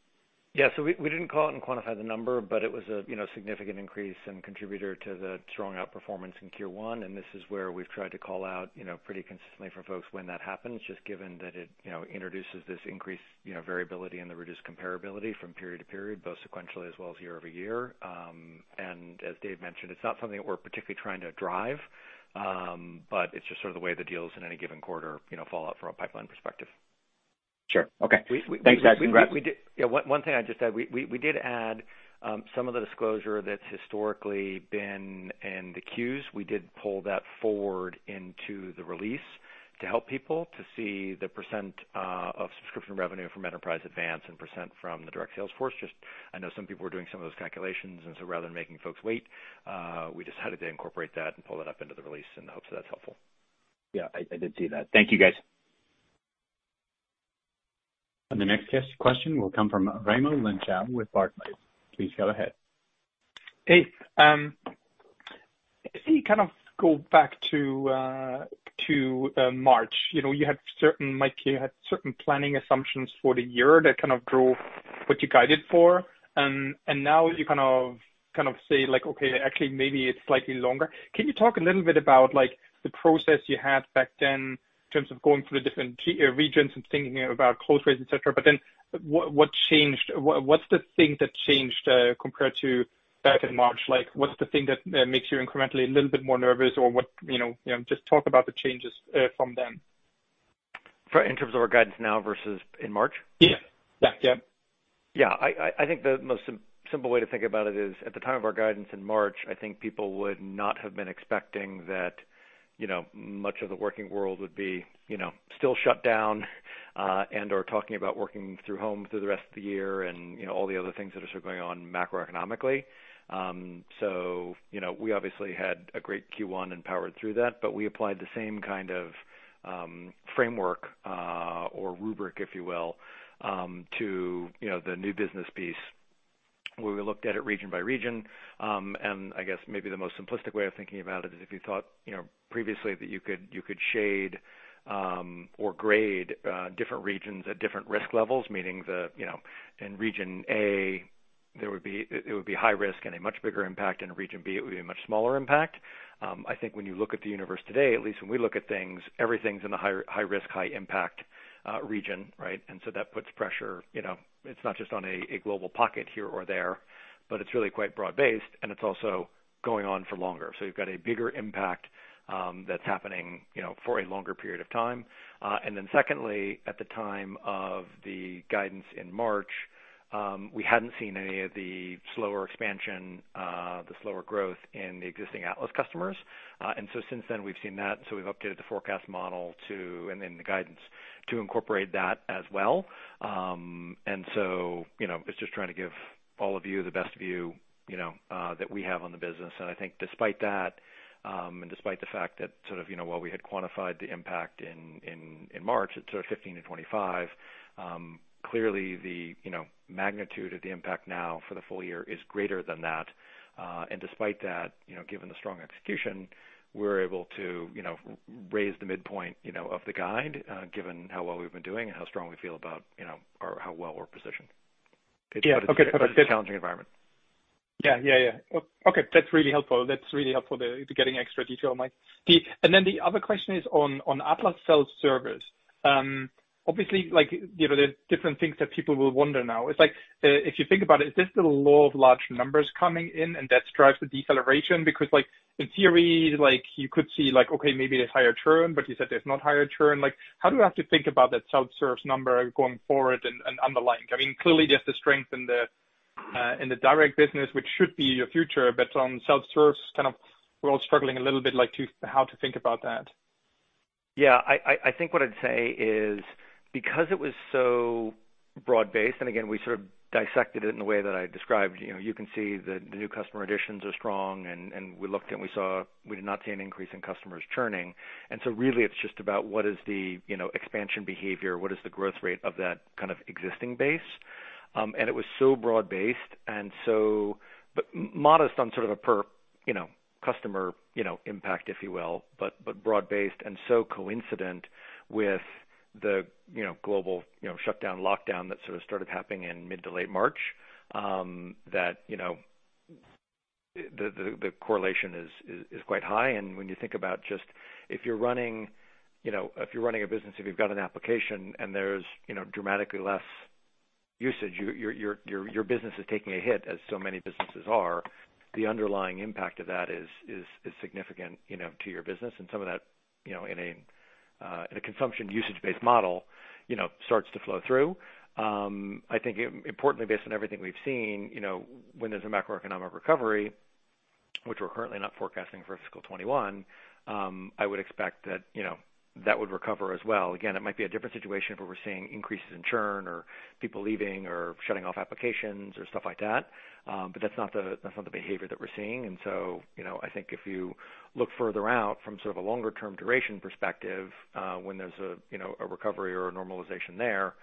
Speaker 4: Yeah. We didn't call it and quantify the number, but it was a significant increase and contributor to the strong outperformance in Q1. This is where we've tried to call out pretty consistently for folks when that happens, just given that it introduces this increased variability and the reduced comparability from period to period, both sequentially as well as year-over-year. As Dev mentioned, it's not something that we're particularly trying to drive, but it's just sort of the way the deals in any given quarter fall out from a pipeline perspective.
Speaker 9: Sure. Okay. Thanks, guys. Congrats.
Speaker 4: Yeah. One thing I'd just add, we did add some of the disclosure that's historically been in the Qs. We did pull that forward into the release to help people to see the % of subscription revenue from Enterprise Advanced and % from the direct sales force. Just I know some people were doing some of those calculations, rather than making folks wait, we decided to incorporate that and pull it up into the release in the hopes that's helpful.
Speaker 9: Yeah, I did see that. Thank you, guys.
Speaker 1: The next question will come from Raimo Lenschow with Barclays. Please go ahead.
Speaker 10: Hey. If you kind of go back to March, you had certain planning assumptions for the year that kind of drove what you guided for, and now you kind of say, like, "Okay, actually, maybe it's slightly longer." Can you talk a little bit about the process you had back then in terms of going through the different regions and thinking about close rates, et cetera, but then what's the thing that changed compared to back in March? What's the thing that makes you incrementally a little bit more nervous? Just talk about the changes from then.
Speaker 4: In terms of our guidance now versus in March?
Speaker 10: Yeah.
Speaker 4: Yeah. I think the most simple way to think about it is, at the time of our guidance in March, I think people would not have been expecting that much of the working world would be still shut down and/or talking about working through home through the rest of the year and all the other things that are sort of going on macroeconomically. We obviously had a great Q1 and powered through that, but we applied the same kind of framework or rubric, if you will, to the new business piece, where we looked at it region by region. I guess maybe the most simplistic way of thinking about it is if you thought previously that you could shade or grade different regions at different risk levels, meaning that in region A, it would be high risk and a much bigger impact. In region B, it would be a much smaller impact. I think when you look at the universe today, at least when we look at things, everything's in the high risk, high impact region, right? That puts pressure, it's not just on a global pocket here or there, but it's really quite broad-based, and it's also going on for longer. You've got a bigger impact that's happening for a longer period of time. Secondly, at the time of the guidance in March, we hadn't seen any of the slower expansion, the slower growth in the existing Atlas customers. Since then we've seen that, so we've updated the forecast model and the guidance to incorporate that as well. It's just trying to give all of you the best view that we have on the business. I think despite that, and despite the fact that sort of while we had quantified the impact in March at sort of $15 million-$25 million, clearly the magnitude of the impact now for the full year is greater than that. Despite that, given the strong execution, we're able to raise the midpoint of the guide, given how well we've been doing and how strong we feel about how well we're positioned.
Speaker 10: Yeah, okay.
Speaker 4: It's a challenging environment.
Speaker 10: Yeah. Okay, that's really helpful. That's really helpful to getting extra detail, Mike. The other question is on Atlas self-service. Obviously, there's different things that people will wonder now. It's like, if you think about it, is this the law of large numbers coming in and that drives the deceleration? In theory, you could see, okay, maybe there's higher churn, but you said there's no higher churn. How do I have to think about that self-service number going forward and underlying? Clearly, there's the strength in the direct business, which should be your future, but on self-service, kind of, we're all struggling a little bit, like, how to think about that.
Speaker 4: Yeah. I think what I'd say is because it was so broad-based, and again, we sort of dissected it in the way that I described. You can see the new customer additions are strong, and we looked and we saw, we did not see an increase in customers churning. Really it's just about what is the expansion behavior, what is the growth rate of that kind of existing base. It was so broad-based, but modest on sort of a per customer impact, if you will, but broad-based and so coincident with the global shutdown, lockdown that sort of started happening in mid to late March, that the correlation is quite high. When you think about just if you're running a business, if you've got an application and there's dramatically less usage, your business is taking a hit as so many businesses are. The underlying impact of that is significant to your business. Some of that in a consumption usage-based model starts to flow through. I think importantly, based on everything we've seen, when there's a macroeconomic recovery, which we're currently not forecasting for fiscal 2021, I would expect that would recover as well. Again, it might be a different situation if we were seeing increases in churn or people leaving or shutting off applications or stuff like that. That's not the behavior that we're seeing. I think if you look further out from sort of a longer-term duration perspective, when there's a recovery or a normalization there,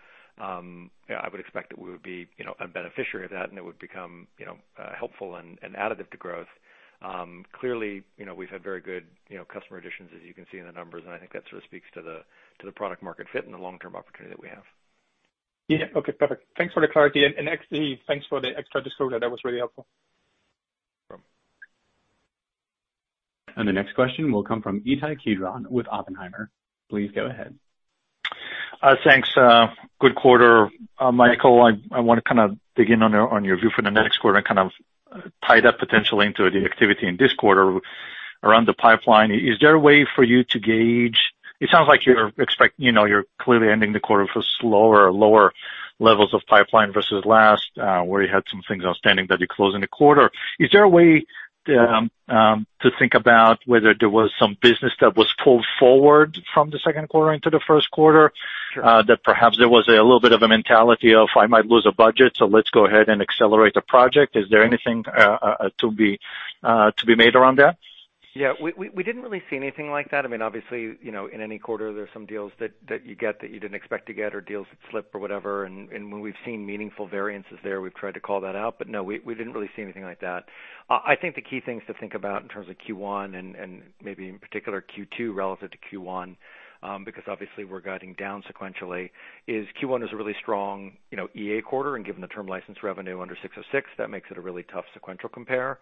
Speaker 4: I would expect that we would be a beneficiary of that and it would become helpful and additive to growth. Clearly, we've had very good customer additions, as you can see in the numbers, and I think that sort of speaks to the product market fit and the long-term opportunity that we have.
Speaker 10: Yeah. Okay, perfect. Thanks for the clarity and actually, thanks for the extra disclosure. That was really helpful.
Speaker 4: No problem.
Speaker 1: The next question will come from Ittai Kidron with Oppenheimer. Please go ahead.
Speaker 11: Thanks. Good quarter, Michael. I want to kind of dig in on your view for the next quarter and kind of tie that potentially into the activity in this quarter around the pipeline. Is there a way for you to gauge? It sounds like you're clearly ending the quarter for slower or lower levels of pipeline versus last, where you had some things outstanding that you closed in the quarter. Is there a way to think about whether there was some business that was pulled forward from the second quarter into the first quarter? That perhaps there was a little bit of a mentality of, "I might lose a budget, so let's go ahead and accelerate the project." Is there anything to be made around that?
Speaker 4: Yeah. We didn't really see anything like that. Obviously, in any quarter, there's some deals that you get that you didn't expect to get or deals that slip or whatever. When we've seen meaningful variances there, we've tried to call that out. No, we didn't really see anything like that. I think the key things to think about in terms of Q1 and maybe in particular Q2 relative to Q1, because obviously we're guiding down sequentially, is Q1 is a really strong EA quarter, and given the term license revenue under 606, that makes it a really tough sequential compare.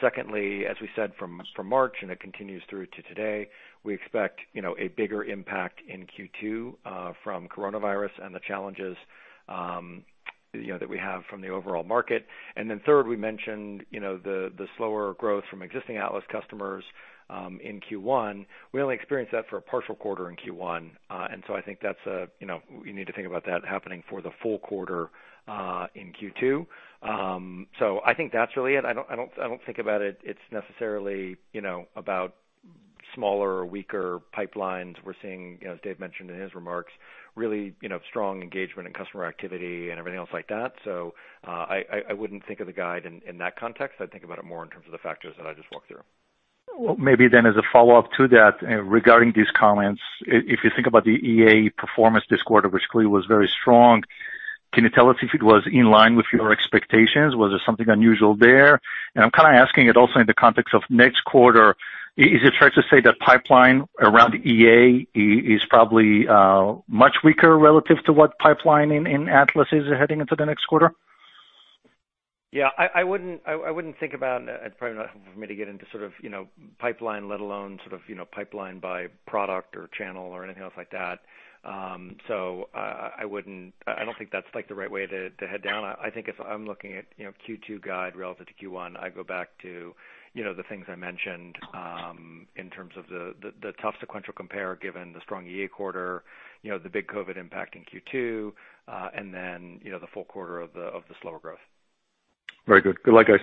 Speaker 4: Secondly, as we said from March, and it continues through to today, we expect a bigger impact in Q2 from coronavirus and the challenges that we have from the overall market. Then third, we mentioned the slower growth from existing Atlas customers in Q1. We only experienced that for a partial quarter in Q1. I think you need to think about that happening for the full quarter in Q2. I think that's really it. I don't think about it. It's necessarily about smaller or weaker pipelines. We're seeing, as Dev mentioned in his remarks, really strong engagement and customer activity and everything else like that. I wouldn't think of the guide in that context. I'd think about it more in terms of the factors that I just walked through.
Speaker 11: Well, maybe as a follow-up to that, regarding these comments, if you think about the EA performance this quarter, which clearly was very strong, can you tell us if it was in line with your expectations? Was there something unusual there? I'm asking it also in the context of next quarter. Is it fair to say that pipeline around EA is probably much weaker relative to what pipeline in Atlas is heading into the next quarter?
Speaker 4: Yeah. I wouldn't think about, and it's probably not helpful for me to get into pipeline, let alone pipeline by product or channel or anything else like that. I don't think that's the right way to head down. I think if I'm looking at Q2 guide relative to Q1, I go back to the things I mentioned in terms of the tough sequential compare, given the strong EA quarter, the big COVID-19 impact in Q2, and then the full quarter of the slower growth.
Speaker 11: Very good. Good luck, guys.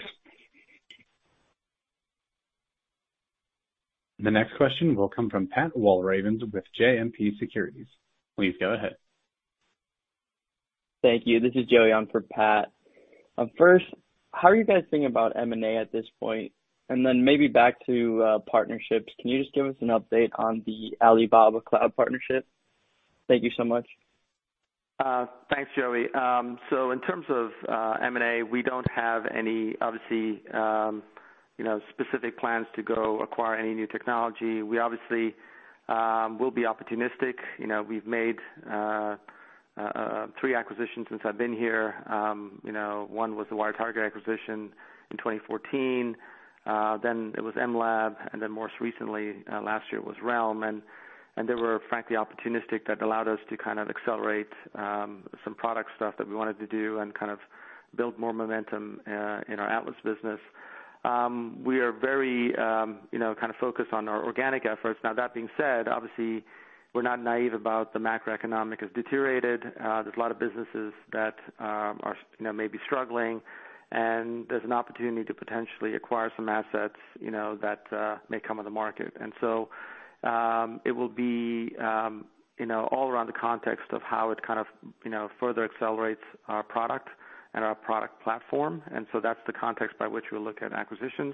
Speaker 1: The next question will come from Pat Walravens with JMP Securities. Please go ahead.
Speaker 12: Thank you. This is Joey on for Pat. First, how are you guys thinking about M&A at this point? Maybe back to partnerships, can you just give us an update on the Alibaba Cloud partnership? Thank you so much.
Speaker 3: Thanks, Joey. In terms of M&A, we don't have any, obviously, specific plans to go acquire any new technology. We obviously will be opportunistic. We've made three acquisitions since I've been here. One was the WiredTiger acquisition in 2014, then it was mLab, and then most recently, last year, it was Realm. They were frankly opportunistic that allowed us to accelerate some product stuff that we wanted to do and build more momentum in our Atlas business. We are very focused on our organic efforts. That being said, obviously, we're not naive about the macroeconomic has deteriorated. There's a lot of businesses that are maybe struggling, and there's an opportunity to potentially acquire some assets that may come on the market. It will be all around the context of how it further accelerates our product and our product platform. That's the context by which we'll look at acquisitions.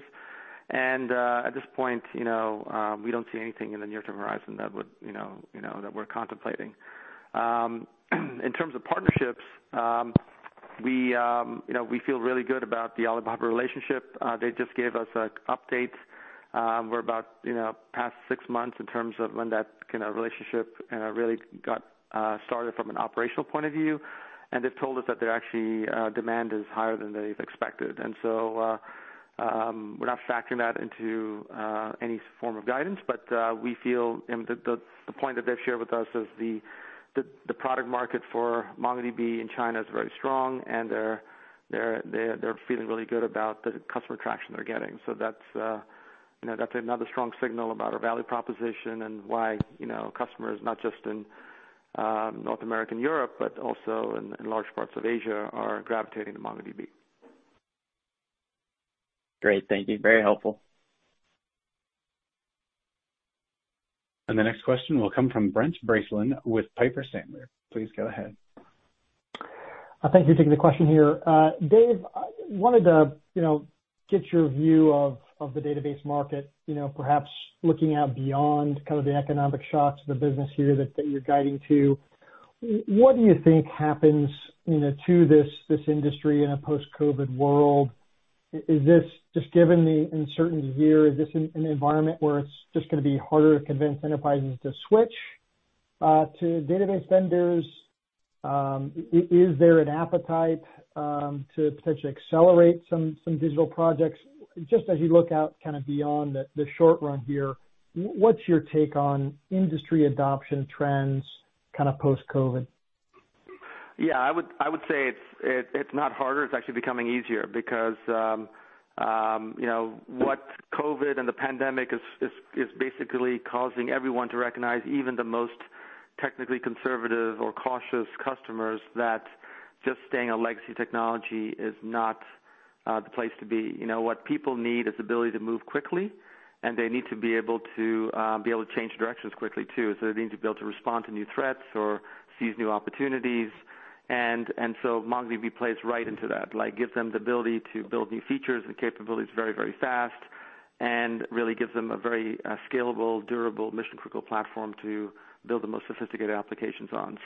Speaker 3: At this point we don't see anything in the near-term horizon that we're contemplating. In terms of partnerships, we feel really good about the Alibaba relationship. They just gave us an update. We're about past six months in terms of when that relationship really got started from an operational point of view, and they've told us that their actually demand is higher than they've expected. We're not factoring that into any form of guidance, but we feel the point that they've shared with us is the product market for MongoDB in China is very strong, and they're feeling really good about the customer traction they're getting. That's another strong signal about our value proposition and why customers, not just in North America and Europe, but also in large parts of Asia, are gravitating to MongoDB.
Speaker 12: Great. Thank you. Very helpful.
Speaker 1: The next question will come from Brent Bracelin with Piper Sandler. Please go ahead.
Speaker 13: Thank you. Taking the question here. Dev, I wanted to get your view of the database market perhaps looking out beyond the economic shocks, the business year that you're guiding to. What do you think happens to this industry in a post-COVID world? Just given the uncertainty here, is this an environment where it's just going to be harder to convince enterprises to switch to database vendors? Is there an appetite to potentially accelerate some digital projects? Just as you look out beyond the short run here, what's your take on industry adoption trends post-COVID?
Speaker 3: Yeah, I would say it's not harder. It's actually becoming easier because what COVID and the pandemic is basically causing everyone to recognize, even the most technically conservative or cautious customers, that just staying on legacy technology is not the place to be. What people need is the ability to move quickly, and they need to be able to change directions quickly too. They need to be able to respond to new threats or seize new opportunities. MongoDB plays right into that. Gives them the ability to build new features and capabilities very fast and really gives them a very scalable, durable, mission-critical platform to build the most sophisticated applications on.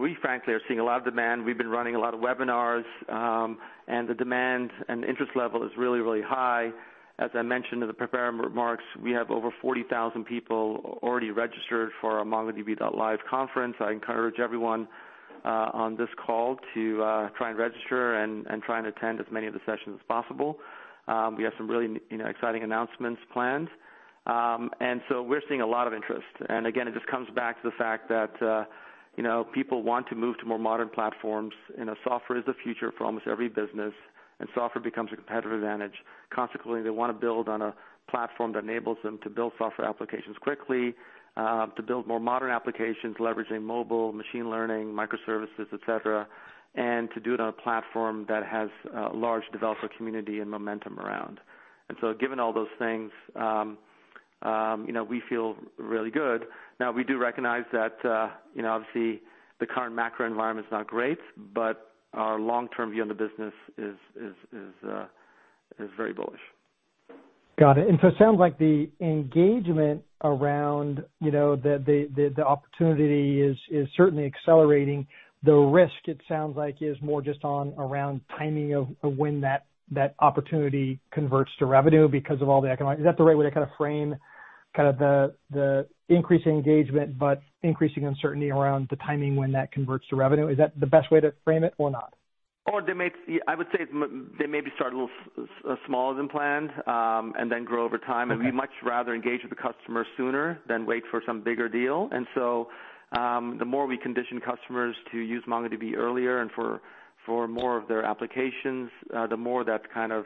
Speaker 3: We frankly are seeing a lot of demand. We've been running a lot of webinars. The demand and interest level is really high. As I mentioned in the prepared remarks, we have over 40,000 people already registered for our MongoDB.live conference. I encourage everyone on this call to try and register and try and attend as many of the sessions as possible. We have some really exciting announcements planned. We're seeing a lot of interest. Again, it just comes back to the fact that people want to move to more modern platforms. Software is the future for almost every business, and software becomes a competitive advantage. Consequently, they want to build on a platform that enables them to build software applications quickly, to build more modern applications leveraging mobile, machine learning, microservices, et cetera, and to do it on a platform that has a large developer community and momentum around. We feel really good. Now we do recognize that obviously the current macro environment is not great, but our long-term view on the business is very bullish.
Speaker 13: Got it. It sounds like the engagement around the opportunity is certainly accelerating. The risk, it sounds like, is more just around timing of when that opportunity converts to revenue because of all the economic. Is that the right way to frame the increasing engagement but increasing uncertainty around the timing when that converts to revenue? Is that the best way to frame it or not?
Speaker 3: I would say they maybe start a little smaller than planned and then grow over time.
Speaker 13: Okay.
Speaker 3: We much rather engage with the customer sooner than wait for some bigger deal. The more we condition customers to use MongoDB earlier and for more of their applications, the more that kind of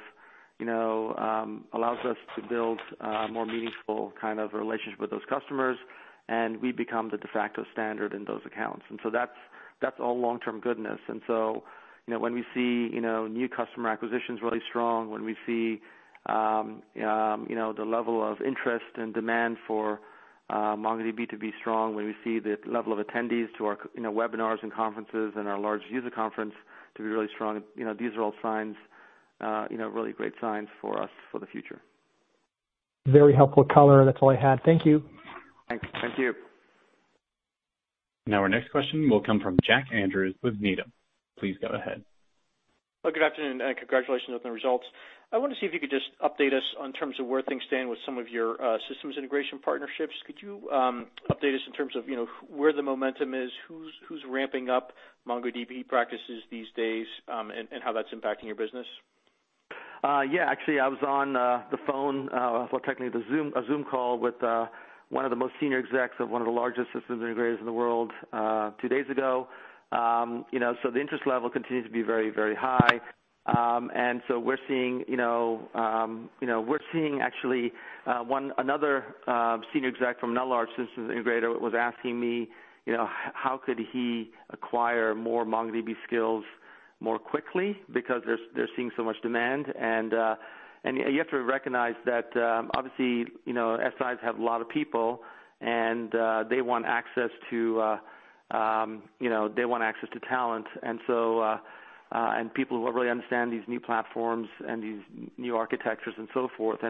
Speaker 3: allows us to build a more meaningful kind of relationship with those customers. We become the de facto standard in those accounts. That's all long-term goodness. When we see new customer acquisitions really strong, when we see the level of interest and demand for MongoDB to be strong, when we see the level of attendees to our webinars and conferences and our large user conference to be really strong, these are all really great signs for us for the future.
Speaker 13: Very helpful color. That's all I had. Thank you.
Speaker 3: Thanks. Thank you.
Speaker 1: Now our next question will come from Jack Andrews with Needham. Please go ahead.
Speaker 14: Good afternoon, and congratulations on the results. I want to see if you could just update us in terms of where things stand with some of your systems integration partnerships. Could you update us in terms of where the momentum is, who's ramping up MongoDB practices these days, and how that's impacting your business?
Speaker 3: Yeah, actually, I was on the phone, well, technically a Zoom call with one of the most senior execs of one of the largest systems integrators in the world two days ago. The interest level continues to be very, very high. We're seeing actually another senior exec from another large systems integrator was asking me how could he acquire more MongoDB skills more quickly because they're seeing so much demand. You have to recognize that obviously, SIs have a lot of people, and they want access to talent. People who really understand these new platforms and these new architectures and so forth.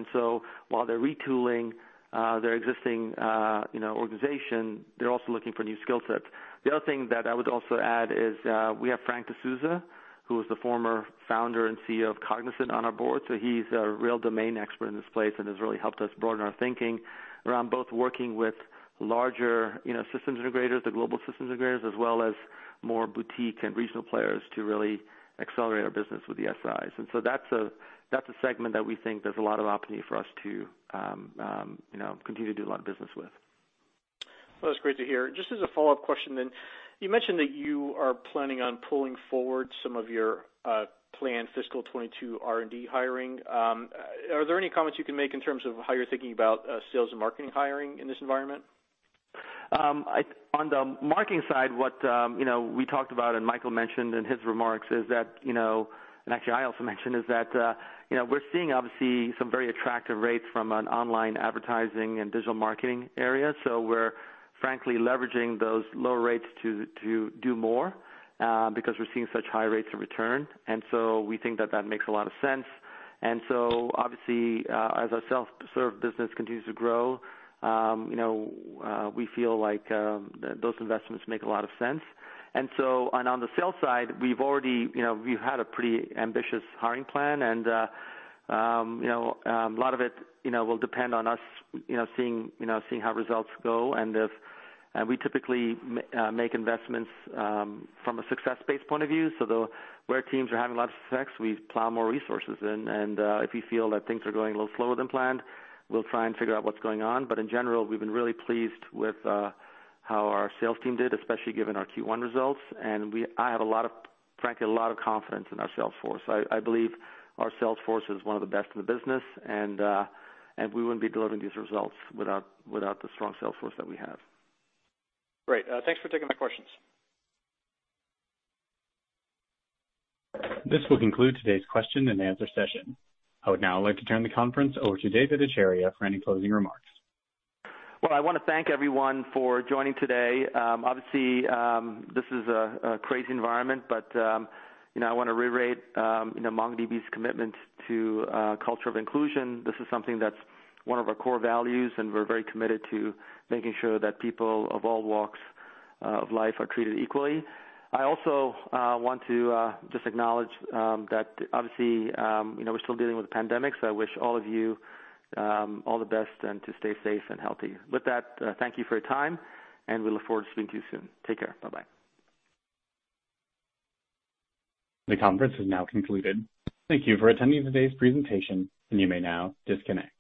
Speaker 3: While they're retooling their existing organization, they're also looking for new skill sets. The other thing that I would also add is we have Frank D'Souza, who was the former founder and CEO of Cognizant, on our board. He's a real domain expert in this place and has really helped us broaden our thinking around both working with larger systems integrators, the global systems integrators, as well as more boutique and regional players to really accelerate our business with the SIs. That's a segment that we think there's a lot of opportunity for us to continue to do a lot of business with.
Speaker 14: That's great to hear. As a follow-up question, you mentioned that you are planning on pulling forward some of your planned fiscal 2022 R&D hiring. Are there any comments you can make in terms of how you're thinking about sales and marketing hiring in this environment?
Speaker 3: On the marketing side, what we talked about and Michael mentioned in his remarks is that, and actually I also mentioned, is that we're seeing obviously some very attractive rates from an online advertising and digital marketing area. We're frankly leveraging those low rates to do more because we're seeing such high rates of return. We think that that makes a lot of sense. Obviously, as our self-serve business continues to grow, we feel like those investments make a lot of sense. On the sales side, we've had a pretty ambitious hiring plan, and a lot of it will depend on us seeing how results go. We typically make investments from a success-based point of view. Where teams are having a lot of success, we plow more resources in. If we feel that things are going a little slower than planned, we'll try and figure out what's going on. In general, we've been really pleased with how our sales team did, especially given our Q1 results. I have, frankly, a lot of confidence in our sales force. I believe our sales force is one of the best in the business, and we wouldn't be delivering these results without the strong sales force that we have.
Speaker 14: Great. Thanks for taking my questions.
Speaker 1: This will conclude today's question and answer session. I would now like to turn the conference over to Dev Ittycheria for any closing remarks.
Speaker 3: Well, I want to thank everyone for joining today. Obviously, this is a crazy environment, but I want to reiterate MongoDB's commitment to a culture of inclusion. This is something that's one of our core values, and we're very committed to making sure that people of all walks of life are treated equally. I also want to just acknowledge that obviously we're still dealing with the pandemic, so I wish all of you all the best and to stay safe and healthy. With that, thank you for your time, and we look forward to speaking to you soon. Take care. Bye-bye.
Speaker 1: The conference is now concluded. Thank you for attending today's presentation, and you may now disconnect.